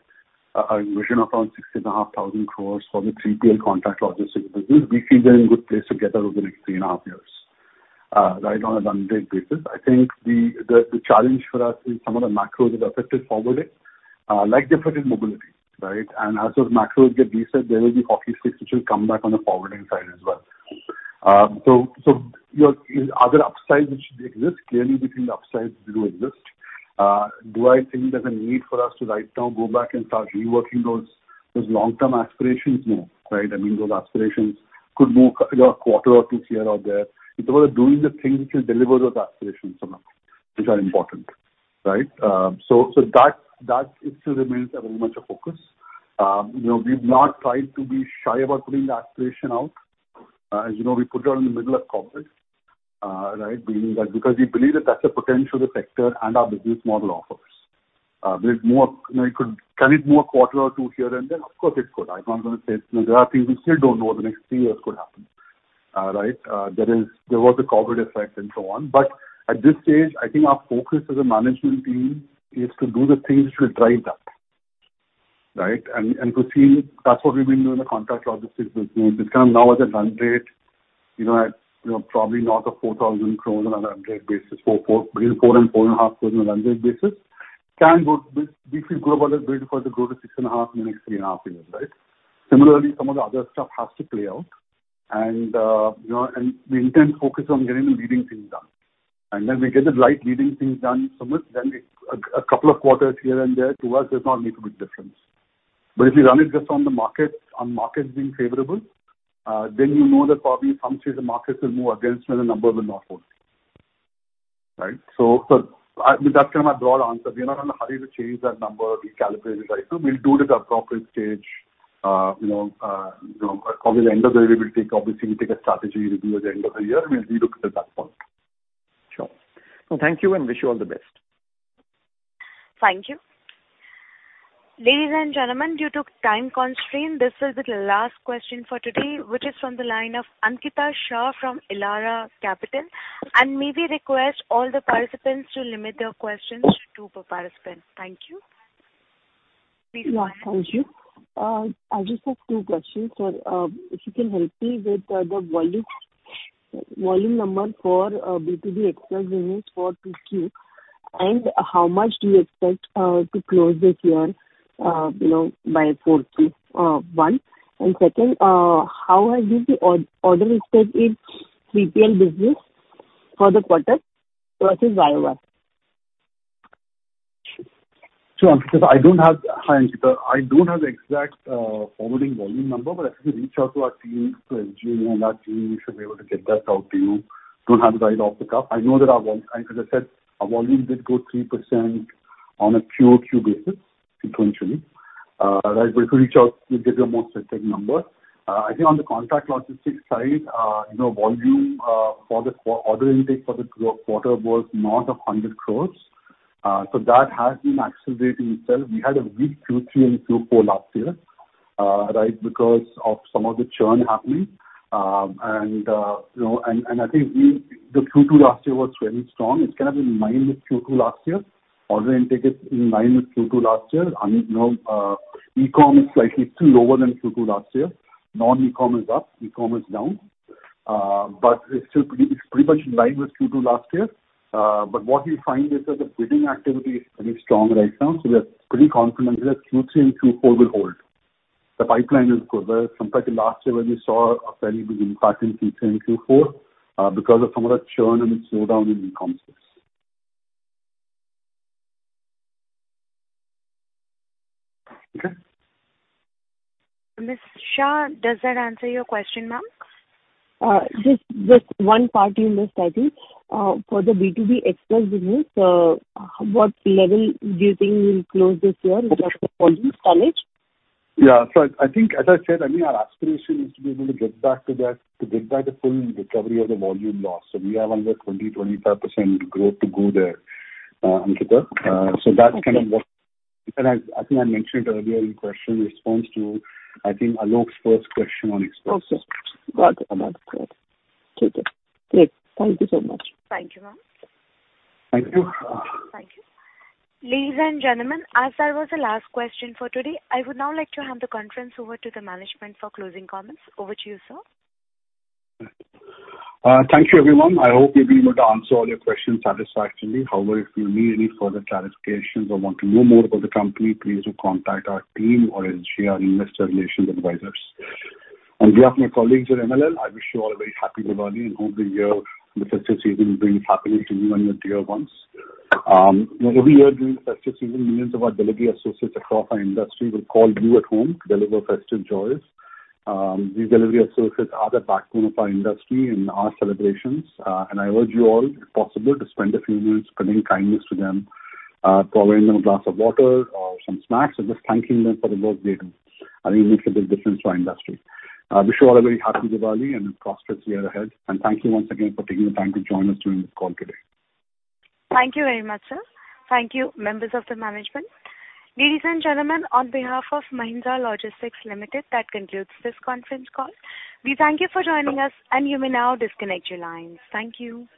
a vision of around 6.5 thousand crores for the 3PL contract logistics business. We feel we're in a good place to get there over the next three and a half years, right, on a run rate basis. I think the challenge for us is some of the macros have affected forwarding, like they affected mobility, right? And as those macros get reset, there will be hockey sticks which will come back on the forwarding side as well. So, are there upsides which exist? Clearly, we think the upsides do exist. Do I think there's a need for us to right now go back and start reworking those long-term aspirations? No. Right. I mean, those aspirations could move a quarter or two here or there. It's about doing the things which will deliver those aspirations for now, which are important, right? So, that it still remains a very much a focus. You know, we've not tried to be shy about putting the aspiration out. As you know, we put it out in the middle of COVID, right? Meaning that because we believe that that's the potential the sector and our business model offers. Will it move, you know, it could... Can it move a quarter or two here and there? Of course, it could. I'm not gonna say there are things we still don't know what the next three years could happen, right? There is. There was the COVID effect and so on. But at this stage, I think our focus as a management team is to do the things which will drive that, right? To see that's what we've been doing in the contract logistics business, which kind of now as a run rate, you know, at, you know, probably north of 4,000 crore on a run rate basis, 4, 4, between 4 and 4.5 crore on a run rate basis, can go- we, we feel grow further, build further, go to 6.5 in the next 3.5 years, right? Similarly, some of the other stuff has to play out. And, you know, and the intense focus on getting the leading things done. And when we get the right leading things done, Sumit, then it, a, a couple of quarters here and there to us does not make a big difference. But if we run it just on the market, on markets being favorable, then you know that probably at some stage, the markets will move against you, and the number will not hold, right? So, that's kind of my broad answer. We are not in a hurry to change that number or recalibrate it right now. We'll do it at the appropriate stage. You know, you know, towards the end of the year, we'll take obviously a strategy review at the end of the year, and we'll relook at it at that point. Sure. Thank you, and wish you all the best. Thank you. Ladies and gentlemen, due to time constraint, this is the last question for today, which is from the line of Ankita Shah from Elara Capital. May we request all the participants to limit their questions two per participant. Thank you. Please go ahead. Yeah, thank you. I just have two questions, sir. If you can help me with the volume, volume number for B2B express business for 2Q, and how much do you expect to close this year, you know, by fourth Q, one. And second, how has been the order intake in 3PL business for the quarter versus YOY? Sure, Ankita. I don't have... Hi, Ankita. I don't have the exact, forwarding volume number, but I can reach out to our team, to SGA and our team should be able to get that out to you. Don't have it right off the cuff. I know that our As I said, our volume did grow 3% on a QOQ basis sequentially. Right, but if you reach out, we'll give you a more specific number. I think on the contract logistics side, you know, volume, for the order intake for the quarter was north of 100 crore. So that has been accelerating itself. We had a weak Q3 and Q4 last year, right, because of some of the churn happening. And, you know, and, and I think the Q2 last year was very strong. It's kind of in line with Q2 last year. Order intake is in line with Q2 last year. And, you know, e-commerce slightly still lower than Q2 last year. Non-e-commerce is up, e-commerce down, but it's still pretty, it's pretty much in line with Q2 last year. But what we find is that the bidding activity is pretty strong right now, so we are pretty confident that Q3 and Q4 will hold. The pipeline is good compared to last year, when we saw a very big impact in Q3 and Q4, because of some of the churn and the slowdown in e-commerce. Okay? Miss Shah, does that answer your question, ma'am? Just, just one part you missed, I think. For the B2B Express business, what level do you think you will close this year in terms of volume tonnage? Yeah. So I think, as I said, I mean, our aspiration is to be able to get back to that, to get back the full recovery of the volume loss. So we have another 20%-25% growth to go there, Ankita. So that's kind of what- Okay. I, I think I mentioned it earlier in question response to, I think, Alok's first question on Express. Okay. Got it. Got it. Great. Thank you so much. Thank you, ma'am. Thank you. Thank you. Ladies and gentlemen, as that was the last question for today, I would now like to hand the conference over to the management for closing comments. Over to you, sir. Thank you, everyone. I hope we've been able to answer all your questions satisfactorily. However, if you need any further clarifications or want to know more about the company, please do contact our team or engage our investor relations advisors. On behalf of my colleagues at MLL, I wish you all a very happy Diwali, and hope this year the festive season brings happiness to you and your dear ones. Every year during the festive season, millions of our delivery associates across our industry will call you at home to deliver festive joys. These delivery associates are the backbone of our industry and our celebrations, and I urge you all, if possible, to spend a few minutes spreading kindness to them, providing them a glass of water or some snacks or just thanking them for the work they do. I think it makes a big difference to our industry. I wish you all a very happy Diwali and a prosperous year ahead, and thank you once again for taking the time to join us during this call today. Thank you very much, sir. Thank you, members of the management. Ladies and gentlemen, on behalf of Mahindra Logistics Limited, that concludes this conference call. We thank you for joining us, and you may now disconnect your lines. Thank you!